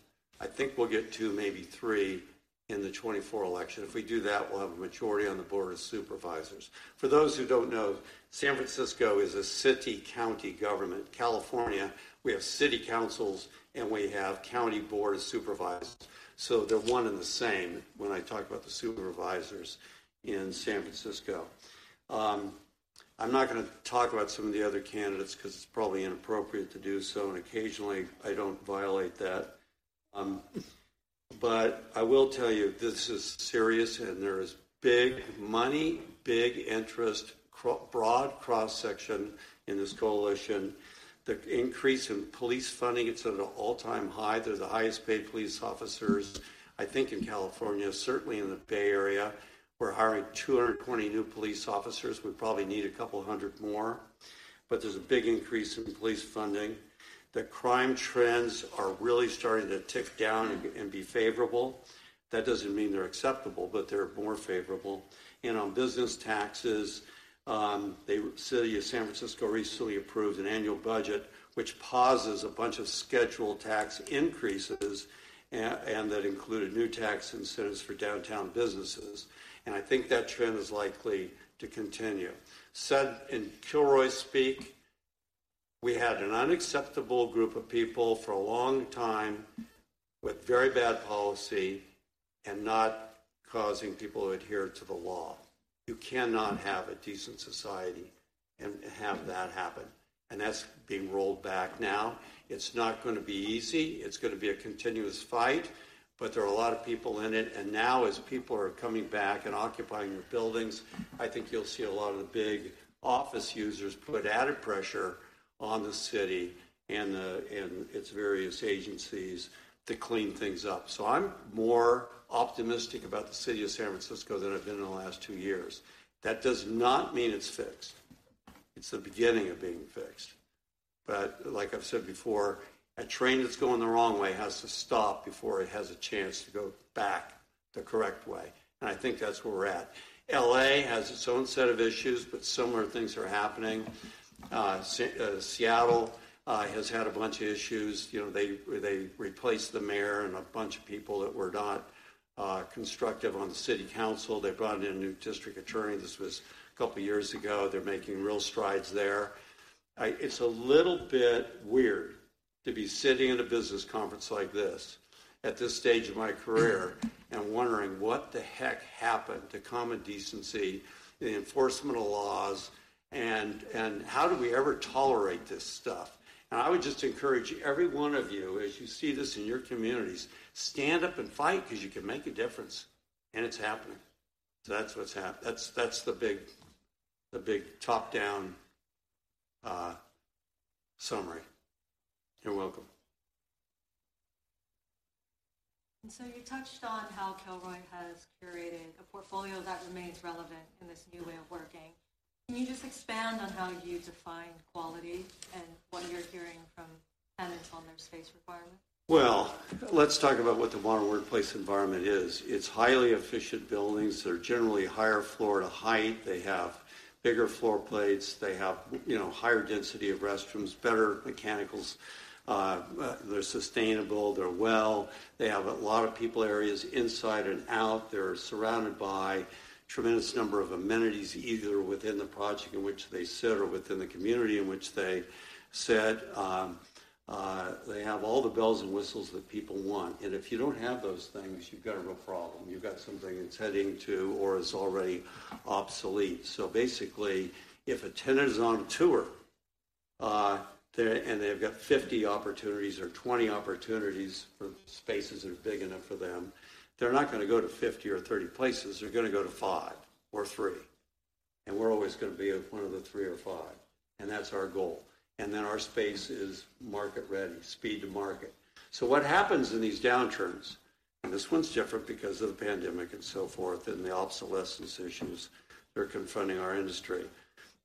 I think we'll get two, maybe three, in the 2024 election. If we do that, we'll have a majority on the Board of Supervisors. For those who don't know, San Francisco is a city-county government. California, we have city councils, and we have county Board of Supervisors, so they're one and the same when I talk about the supervisors in San Francisco. I'm not going to talk about some of the other candidates because it's probably inappropriate to do so, and occasionally I don't violate that. But I will tell you, this is serious, and there is big money, big interest, broad cross-section in this coalition. The increase in police funding, it's at an all-time high. They're the highest paid police officers, I think, in California, certainly in the Bay Area. We're hiring 220 new police officers. We probably need a couple of hundred more, but there's a big increase in police funding. The crime trends are really starting to tick down and, and be favorable. That doesn't mean they're acceptable, but they're more favorable. And on business taxes, the city of San Francisco recently approved an annual budget, which pauses a bunch of scheduled tax increases, and that included new tax incentives for downtown businesses, and I think that trend is likely to continue. Said in Kilroy speak, we had an unacceptable group of people for a long time with very bad policy and not causing people to adhere to the law. You cannot have a decent society and, and have that happen, and that's being rolled back now. It's not going to be easy. It's going to be a continuous fight, but there are a lot of people in it. And now, as people are coming back and occupying their buildings, I think you'll see a lot of the big office users put added pressure on the city and the, and its various agencies to clean things up. So I'm more optimistic about the city of San Francisco than I've been in the last two years. That does not mean it's fixed. It's the beginning of being fixed. But like I've said before, a train that's going the wrong way has to stop before it has a chance to go back the correct way, and I think that's where we're at. L.A. has its own set of issues, but similar things are happening. Seattle has had a bunch of issues. You know, they replaced the mayor and a bunch of people that were not constructive on the city council. They brought in a new district attorney. This was a couple of years ago. They're making real strides there. It's a little bit weird to be sitting in a business conference like this at this stage of my career, and wondering what the heck happened to common decency, the enforcement of laws, and how did we ever tolerate this stuff? I would just encourage every one of you, as you see this in your communities, stand up and fight because you can make a difference, and it's happening. That's the big top-down summary. You're welcome. And so you touched on how Kilroy has curated a portfolio that remains relevant in this new way of working. Can you just expand on how you define quality and what you're hearing from tenants on their space requirements? well, let's talk about what the modern workplace environment is. It's highly efficient buildings. They're generally higher floor to height. They have bigger floor plates. They have, you know, higher density of restrooms, better mechanicals. They're sustainable, they're well. They have a lot of people areas inside and out. They're surrounded by tremendous number of amenities, either within the project in which they sit or within the community in which they sit. They have all the bells and whistles that people want, and if you don't have those things, you've got a real problem. You've got something that's heading to or is already obsolete. So basically, if a tenant is on a tour, they've got 50 opportunities or 20 opportunities for spaces that are big enough for them, they're not going to go to 50 or 30 places. They're going to go to 5 or 3, and we're always going to be one of the 3 or 5, and that's our goal. And then our space is market-ready, speed to market. So what happens in these downturns, and this one's different because of the pandemic and so forth, and the obsolescence issues that are confronting our industry.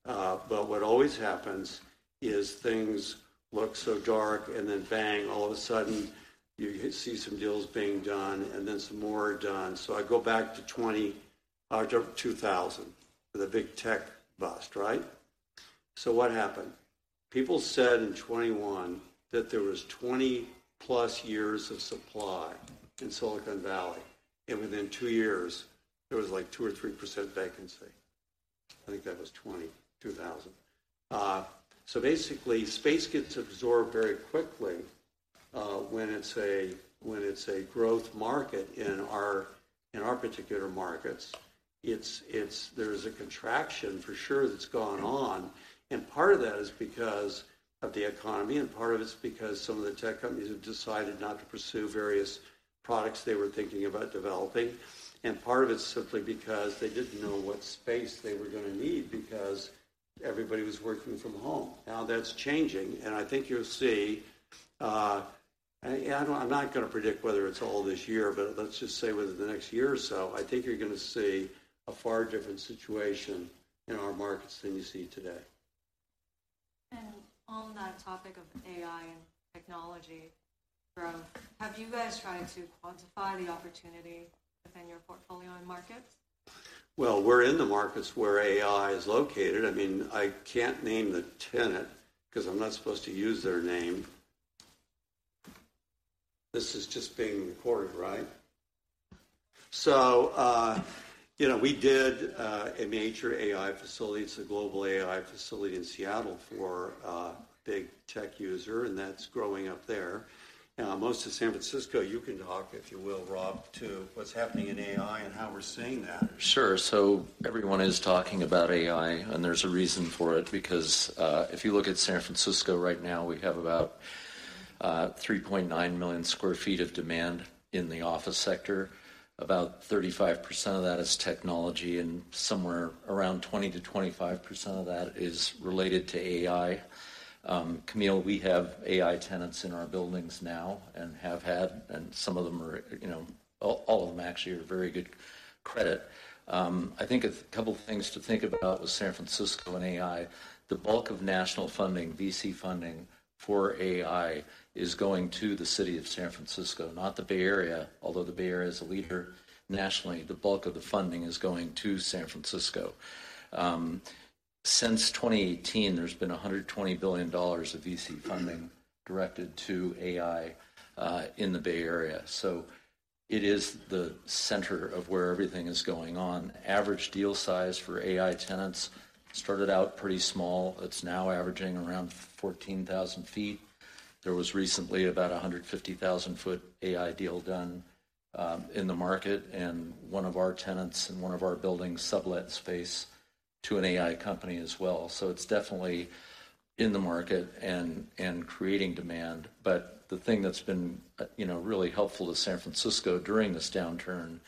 But what always happens is things look so dark, and then bang! All of a sudden, you see some deals being done and then some more are done. So I go back to 2000, the big tech bust, right? So what happened? People said in '01 that there was 20+ years of supply in Silicon Valley, and within 2 years, there was, like, 2 or 3% vacancy. I think that was 2000. So basically, space gets absorbed very quickly when it's a growth market in our particular markets. There is a contraction for sure that's gone on, and part of that is because of the economy, and part of it's because some of the tech companies have decided not to pursue various products they were thinking about developing. And part of it's simply because they didn't know what space they were gonna need because everybody was working from home. Now, that's changing, and I think you'll see... I'm not gonna predict whether it's all this year, but let's just say within the next year or so, I think you're gonna see a far different situation in our markets than you see today. On that topic of AI and technology growth, have you guys tried to quantify the opportunity within your portfolio and markets? well, we're in the markets where AI is located. I mean, I can't name the tenant 'cause I'm not supposed to use their name. This is just being recorded, right? So, you know, we did a major AI facility. It's a global AI facility in Seattle for a big tech user, and that's growing up there. Most of San Francisco, you can talk if you will, Rob, to what's happening in AI and how we're seeing that. Sure. So everyone is talking about AI, and there's a reason for it because if you look at San Francisco right now, we have about 3.9 million sq ft of demand in the office sector. About 35% of that is technology, and somewhere around 20%-25% of that is related to AI. Camille, we have AI tenants in our buildings now and have had, and some of them are, you know... All, all of them actually are very good credit. I think a couple of things to think about with San Francisco and AI, the bulk of national funding, VC funding for AI, is going to the city of San Francisco, not the Bay Area, although the Bay Area is a leader nationally. The bulk of the funding is going to San Francisco. Since 2018, there's been $120 billion of VC funding directed to AI in the Bay Area, so it is the center of where everything is going on. Average deal size for AI tenants started out pretty small. It's now averaging around 14,000 sq ft. There was recently about a 150,000 sq ft AI deal done in the market, and one of our tenants in one of our buildings sublet space to an AI company as well. So it's definitely in the market and, and creating demand. But the thing that's been, you know, really helpful to San Francisco during this downturn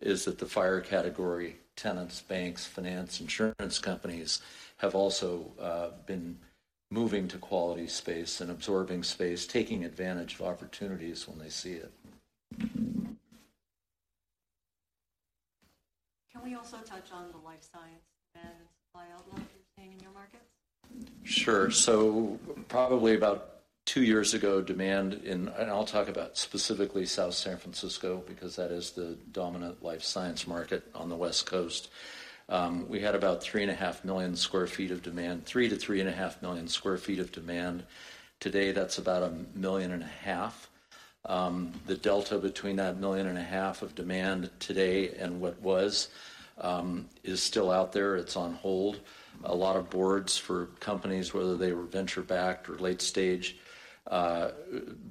is that the FIRE category tenants, banks, finance, insurance companies, have also been moving to quality space and absorbing space, taking advantage of opportunities when they see it. Can we also touch on the life science and supply outlook you're seeing in your markets? Sure. So probably about two years ago, demand in South San Francisco. I'll talk about specifically South San Francisco, because that is the dominant life science market on the West Coast. We had about 3.5 million sq ft of demand, 3-3.5 million sq ft of demand. Today, that's about 1.5 million. The delta between that 1.5 million of demand today and what was is still out there. It's on hold. A lot of boards for companies, whether they were venture-backed or late stage,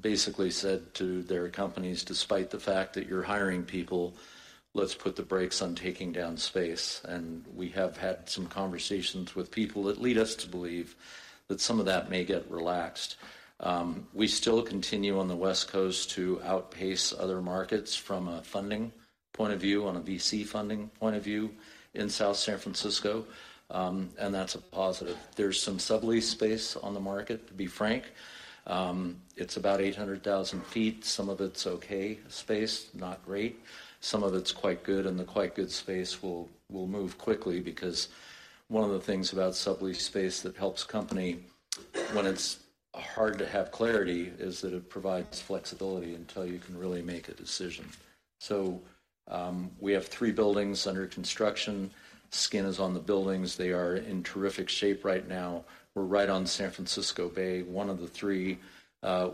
basically said to their companies, "Despite the fact that you're hiring people, let's put the brakes on taking down space." And we have had some conversations with people that lead us to believe that some of that may get relaxed. We still continue on the West Coast to outpace other markets from a funding point of view, on a VC funding point of view, in South San Francisco, and that's a positive. There's some sublease space on the market, to be frank. It's about 800,000 sq ft. Some of it's okay space, not great. Some of it's quite good, and the quite good space will, will move quickly because one of the things about sublease space that helps company when it's hard to have clarity, is that it provides flexibility until you can really make a decision. So, we have 3 buildings under construction. Skin is on the buildings. They are in terrific shape right now. We're right on San Francisco Bay. One of the three,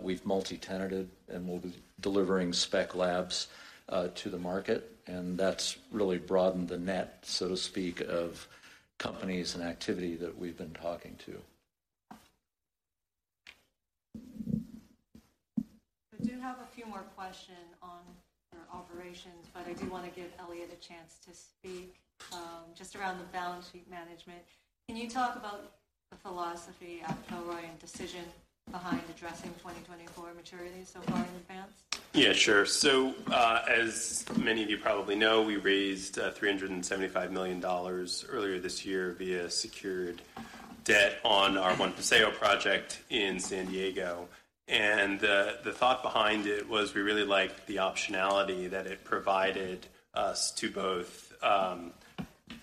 we've multi-tenanted, and we'll be delivering spec labs to the market, and that's really broadened the net, so to speak, of companies and activity that we've been talking to. I do have a few more questions on your operations, but I do want to give Eliott a chance to speak, just around the balance sheet management. Can you talk about the philosophy at Kilroy and decision behind addressing 2024 maturities so far in advance? Yeah, sure. So, as many of you probably know, we raised $375 million earlier this year via secured debt on our One Paseo project in San Diego. And the thought behind it was we really liked the optionality that it provided us to both, on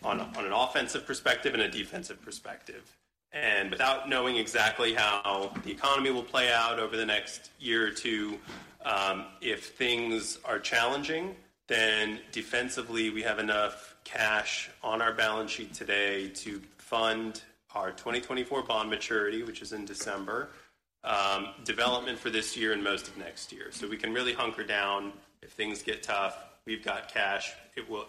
an offensive perspective and a defensive perspective. And without knowing exactly how the economy will play out over the next year or two, if things are challenging, then defensively, we have enough cash on our balance sheet today to fund our 2024 bond maturity, which is in December, development for this year and most of next year. So we can really hunker down. If things get tough, we've got cash.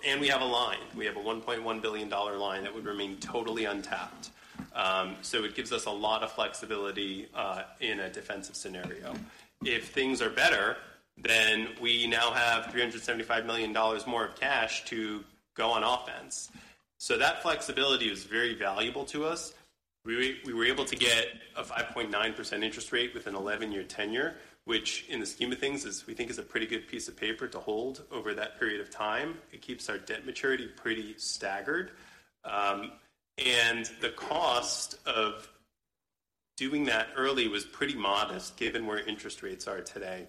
And we have a line. We have a $1.1 billion line that would remain totally untapped. So it gives us a lot of flexibility in a defensive scenario. If things are better, then we now have $375 million more of cash to go on offense. So that flexibility is very valuable to us. We were able to get a 5.9% interest rate with an 11-year tenor which in the scheme of things is, we think, a pretty good piece of paper to hold over that period of time. It keeps our debt maturity pretty staggered. And the cost of doing that early was pretty modest, given where interest rates are today.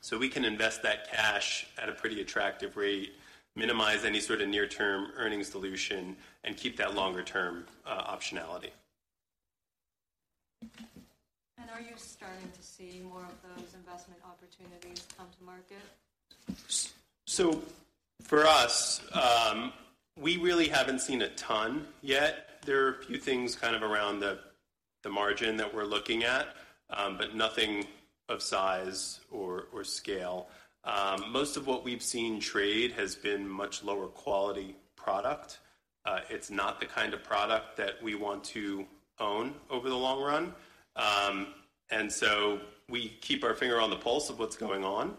So we can invest that cash at a pretty attractive rate, minimize any sort of near-term earnings dilution, and keep that longer-term optionality. Are you starting to see more of those investment opportunities come to market? So for us, we really haven't seen a ton yet. There are a few things kind of around the margin that we're looking at, but nothing of size or scale. Most of what we've seen trade has been much lower quality product. It's not the kind of product that we want to own over the long run. And so we keep our finger on the pulse of what's going on.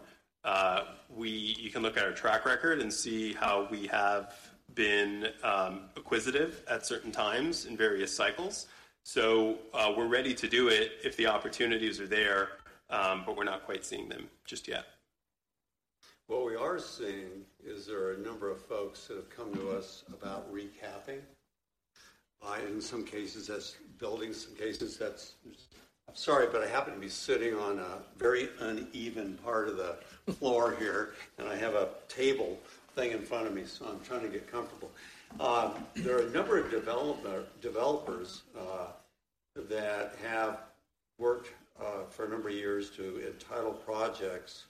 You can look at our track record and see how we have been acquisitive at certain times in various cycles. So we're ready to do it if the opportunities are there, but we're not quite seeing them just yet. What we are seeing is there are a number of folks that have come to us about recapping. In some cases, that's buildings, some cases that's... I'm sorry, but I happen to be sitting on a very uneven part of the floor here, and I have a table thing in front of me, so I'm trying to get comfortable. There are a number of developers that have worked for a number of years to entitle projects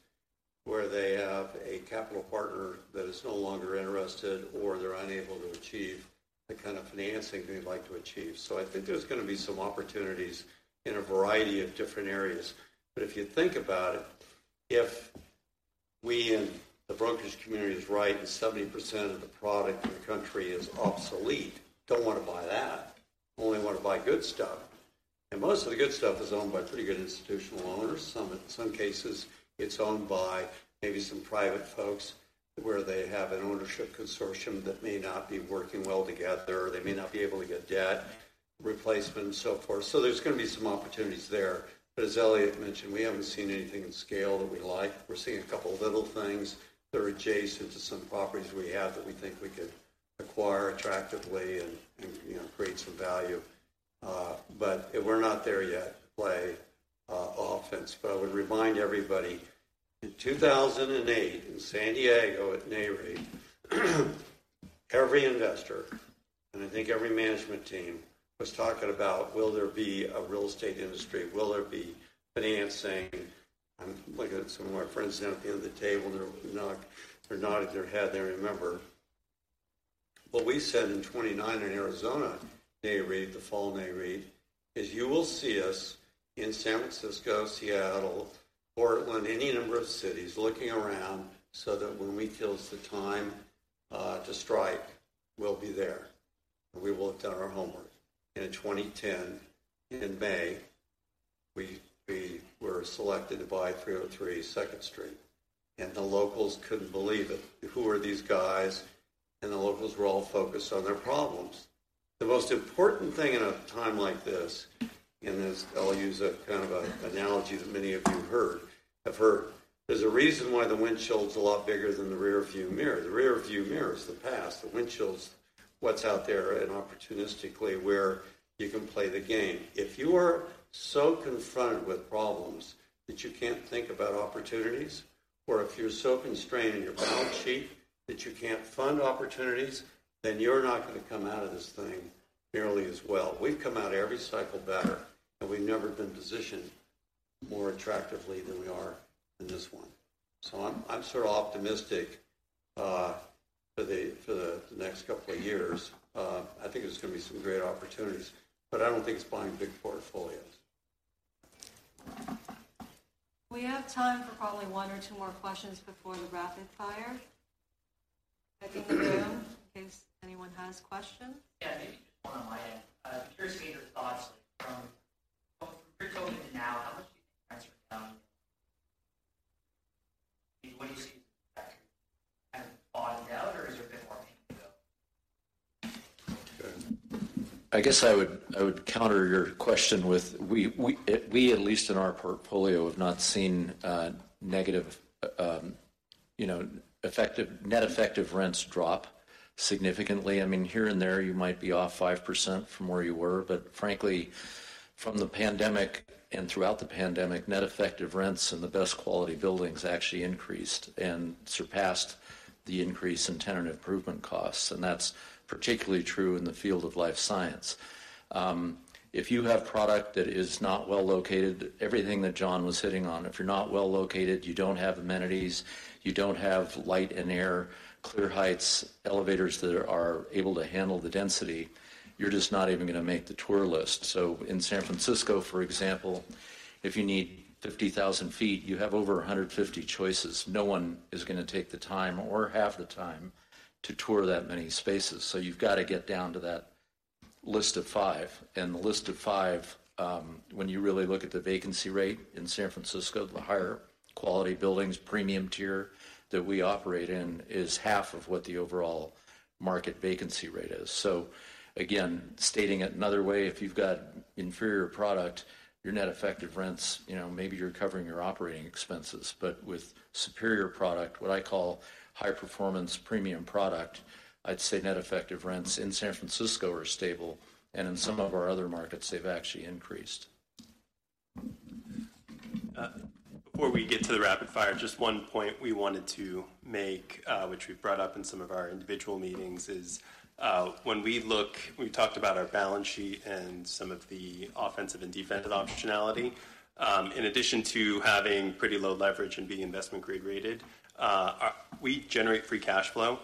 where they have a capital partner that is no longer interested or they're unable to achieve the kind of financing they'd like to achieve. So I think there's going to be some opportunities in a variety of different areas. But if you think about it, if we in the brokerage community is right, and 70% of the product in the country is obsolete, don't want to buy that, only want to buy good stuff. And most of the good stuff is owned by pretty good institutional owners. Some, in some cases, it's owned by maybe some private folks, where they have an ownership consortium that may not be working well together, or they may not be able to get debt replacement and so forth. So there's going to be some opportunities there. But as Eliott mentioned, we haven't seen anything in scale that we like. We're seeing a couple of little things that are adjacent to some properties we have that we think we could acquire attractively and, you know, create some value. But we're not there yet to play offense. But I would remind everybody, in 2008, in San Diego at NAREIT, every investor, and I think every management team, was talking about, will there be a real estate industry? Will there be financing? I'm looking at some of my friends down at the end of the table. They're nodding their head. They remember. What we said in 2009 in Arizona, NAREIT, the fall NAREIT, is you will see us in San Francisco, Seattle, Portland, any number of cities, looking around so that when we feel it's the time, to strike, we'll be there, and we will have done our homework. And in 2010, in May, we, we were selected to buy 303 Second Street, and the locals couldn't believe it. Who are these guys? And the locals were all focused on their problems. The most important thing in a time like this, and this, I'll use a kind of an analogy that many of you heard, have heard. There's a reason why the windshield's a lot bigger than the rearview mirror. The rearview mirror is the past. The windshield's what's out there and opportunistically where you can play the game. If you are so confronted with problems that you can't think about opportunities, or if you're so constrained in your balance sheet that you can't fund opportunities, then you're not going to come out of this thing nearly as well. We've come out every cycle better, and we've never been positioned more attractively than we are in this one. So I'm sort of optimistic for the next couple of years. I think there's going to be some great opportunities, but I don't think it's buying big portfolios. We have time for probably one or two more questions before the rapid fire. I think in the room, in case anyone has questions. Yeah, maybe just one on my end. I'm curious to get your thoughts from where you're going to now, how much do you think rents are down? What do you see as bottomed out, or is there a bit more pain to go? I guess I would counter your question with we, at least in our portfolio, have not seen negative.... you know, effective net effective rents drop significantly. I mean, here and there, you might be off 5% from where you were, but frankly, from the pandemic and throughout the pandemic, net effective rents in the best quality buildings actually increased and surpassed the increase in tenant improvement costs, and that's particularly true in the field of life science. If you have product that is not well located, everything that John was hitting on, if you're not well located, you don't have amenities, you don't have light and air, clear heights, elevators that are able to handle the density, you're just not even gonna make the tour list. So in San Francisco, for example, if you need 50,000 sq ft, you have over 150 choices. No one is gonna take the time or have the time to tour that many spaces. So you've got to get down to that list of five, and the list of five, when you really look at the vacancy rate in San Francisco, the higher quality buildings, premium tier that we operate in, is half of what the overall market vacancy rate is. So again, stating it another way, if you've got inferior product, your net effective rents, you know, maybe you're covering your operating expenses. But with superior product, what I call high performance premium product, I'd say net effective rents in San Francisco are stable, and in some of our other markets, they've actually increased. Before we get to the rapid fire, just one point we wanted to make, which we've brought up in some of our individual meetings, is, when we look, we talked about our balance sheet and some of the offensive and defensive optionality. In addition to having pretty low leverage and being investment grade rated, our, we generate free cash flow,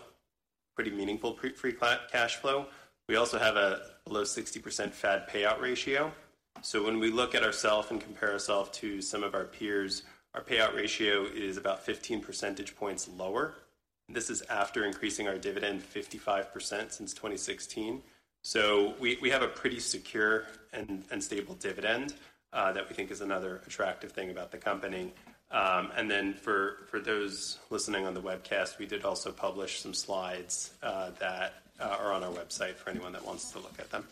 pretty meaningful free cash flow. We also have a low 60% FAD payout ratio. So when we look at ourselves and compare ourselves to some of our peers, our payout ratio is about 15 percentage points lower. This is after increasing our dividend 55% since 2016. So we have a pretty secure and stable dividend, that we think is another attractive thing about the company. And then, for those listening on the webcast, we did also publish some slides that are on our website for anyone that wants to look at them.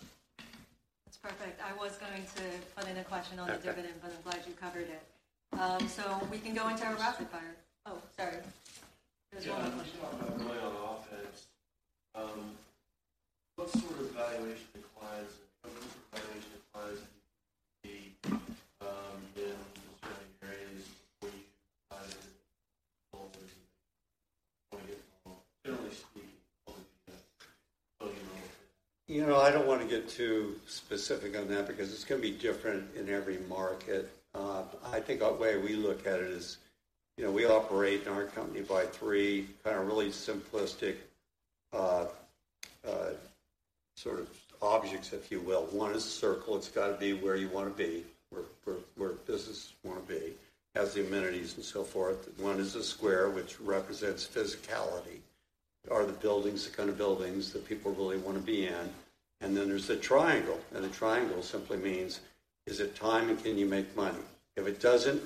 That's perfect. I was going to put in a question on the dividend- Okay. But I'm glad you covered it. So we can go into our rapid fire. Oh, sorry. There's one more. Yeah, going on offense. What sort of valuation implies in certain areas where you either... Generally speaking, oh, you know. You know, I don't want to get too specific on that because it's gonna be different in every market. I think the way we look at it is, you know, we operate in our company by three kind of really simplistic, sort of objects, if you will. One is a circle. It's got to be where you want to be or where, where business want to be. Has the amenities and so forth. One is a square, which represents physicality. Are the buildings the kind of buildings that people really want to be in? And then there's the triangle, and the triangle simply means, is it time, and can you make money? If it doesn't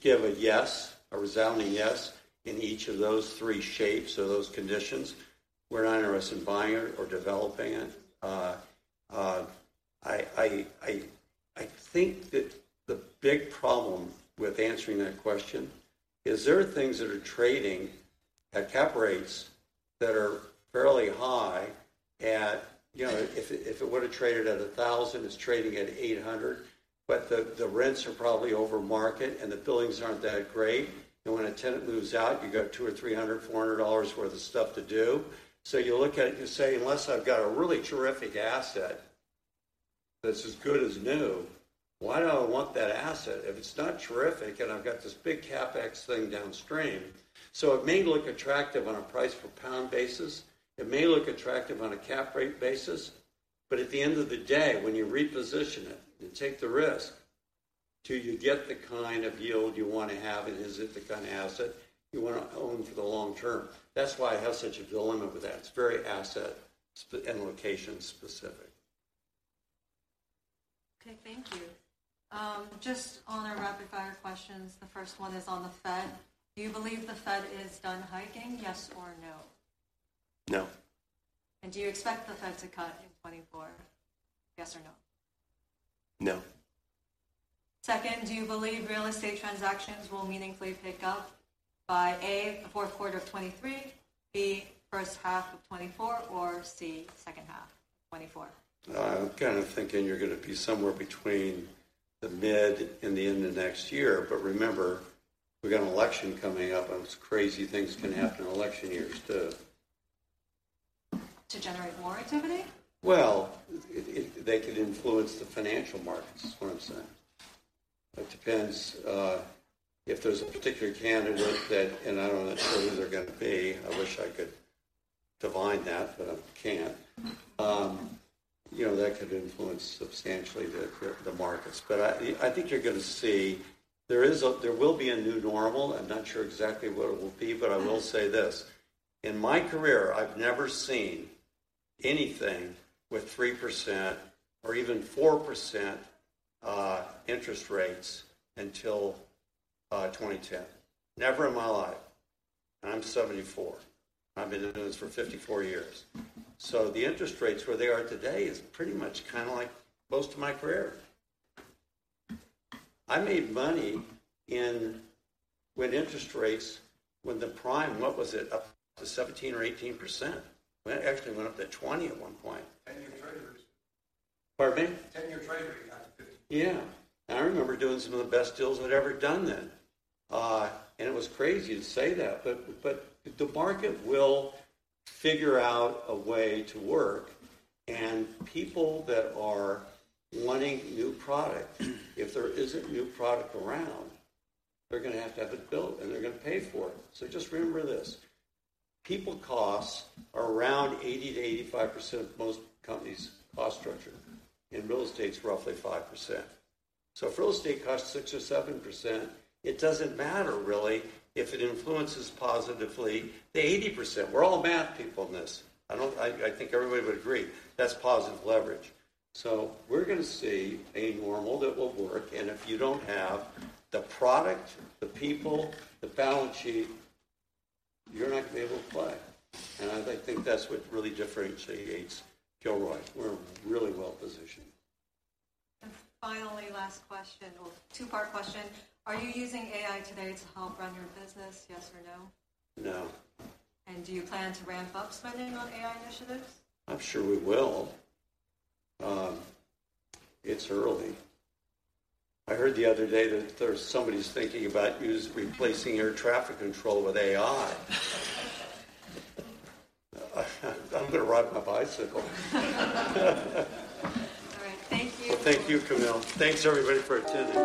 give a yes, a resounding yes, in each of those three shapes or those conditions, we're not interested in buying it or developing it. I think that the big problem with answering that question is there are things that are trading at cap rates that are fairly high at, you know, if it would have traded at 1,000, it's trading at 800, but the rents are probably over market, and the buildings aren't that great, and when a tenant moves out, you got $200 or $300, $400 worth of stuff to do. So you look at it and you say, "Unless I've got a really terrific asset that's as good as new, why do I want that asset if it's not terrific, and I've got this big CapEx thing downstream?" So it may look attractive on a price-per-pound basis, it may look attractive on a Cap Rate basis, but at the end of the day, when you reposition it and take the risk, do you get the kind of yield you want to have, and is it the kind of asset you want to own for the long term? That's why I have such a dilemma with that. It's very asset- and location-specific. Okay, thank you. Just on our rapid fire questions, the first one is on the Fed. Do you believe the Fed is done hiking, yes or no? No. Do you expect the Fed to cut in 2024, yes or no? No. Second, do you believe real estate transactions will meaningfully pick up by, A, the fourth quarter of 2023, B, first half of 2024, or C, second half of 2024? I'm kind of thinking you're going to be somewhere between the mid and the end of next year, but remember, we've got an election coming up, and crazy things can happen in election years, too. To generate more activity? well, they could influence the financial markets, is what I'm saying. It depends, if there's a particular candidate that, and I don't necessarily know who they're gonna be, I wish I could divine that, but I can't. You know, that could influence substantially the markets. But I think you're gonna see there is a-- there will be a new normal. I'm not sure exactly what it will be, but I will say this: In my career, I've never seen anything with 3% or even 4% interest rates until 2010. Never in my life, and I'm 74. I've been doing this for 54 years. So the interest rates where they are today is pretty much kinda like most of my career. I made money in-- when interest rates, when the prime, what was it? Up to 17% or 18%. well, it actually went up to 20% at one point. Ten-year treasuries. Pardon me? 10-year Treasury, yeah. I think that's what really differentiates Kilroy. We're really well positioned. Finally, last question, or two-part question: Are you using AI today to help run your business, yes or no? No. Do you plan to ramp up spending on AI initiatives? I'm sure we will. It's early. I heard the other day that there's somebody thinking about replacing air traffic control with AI. I'm gonna ride my bicycle. All right. Thank you. Thank you, Camille. Thanks, everybody, for attending.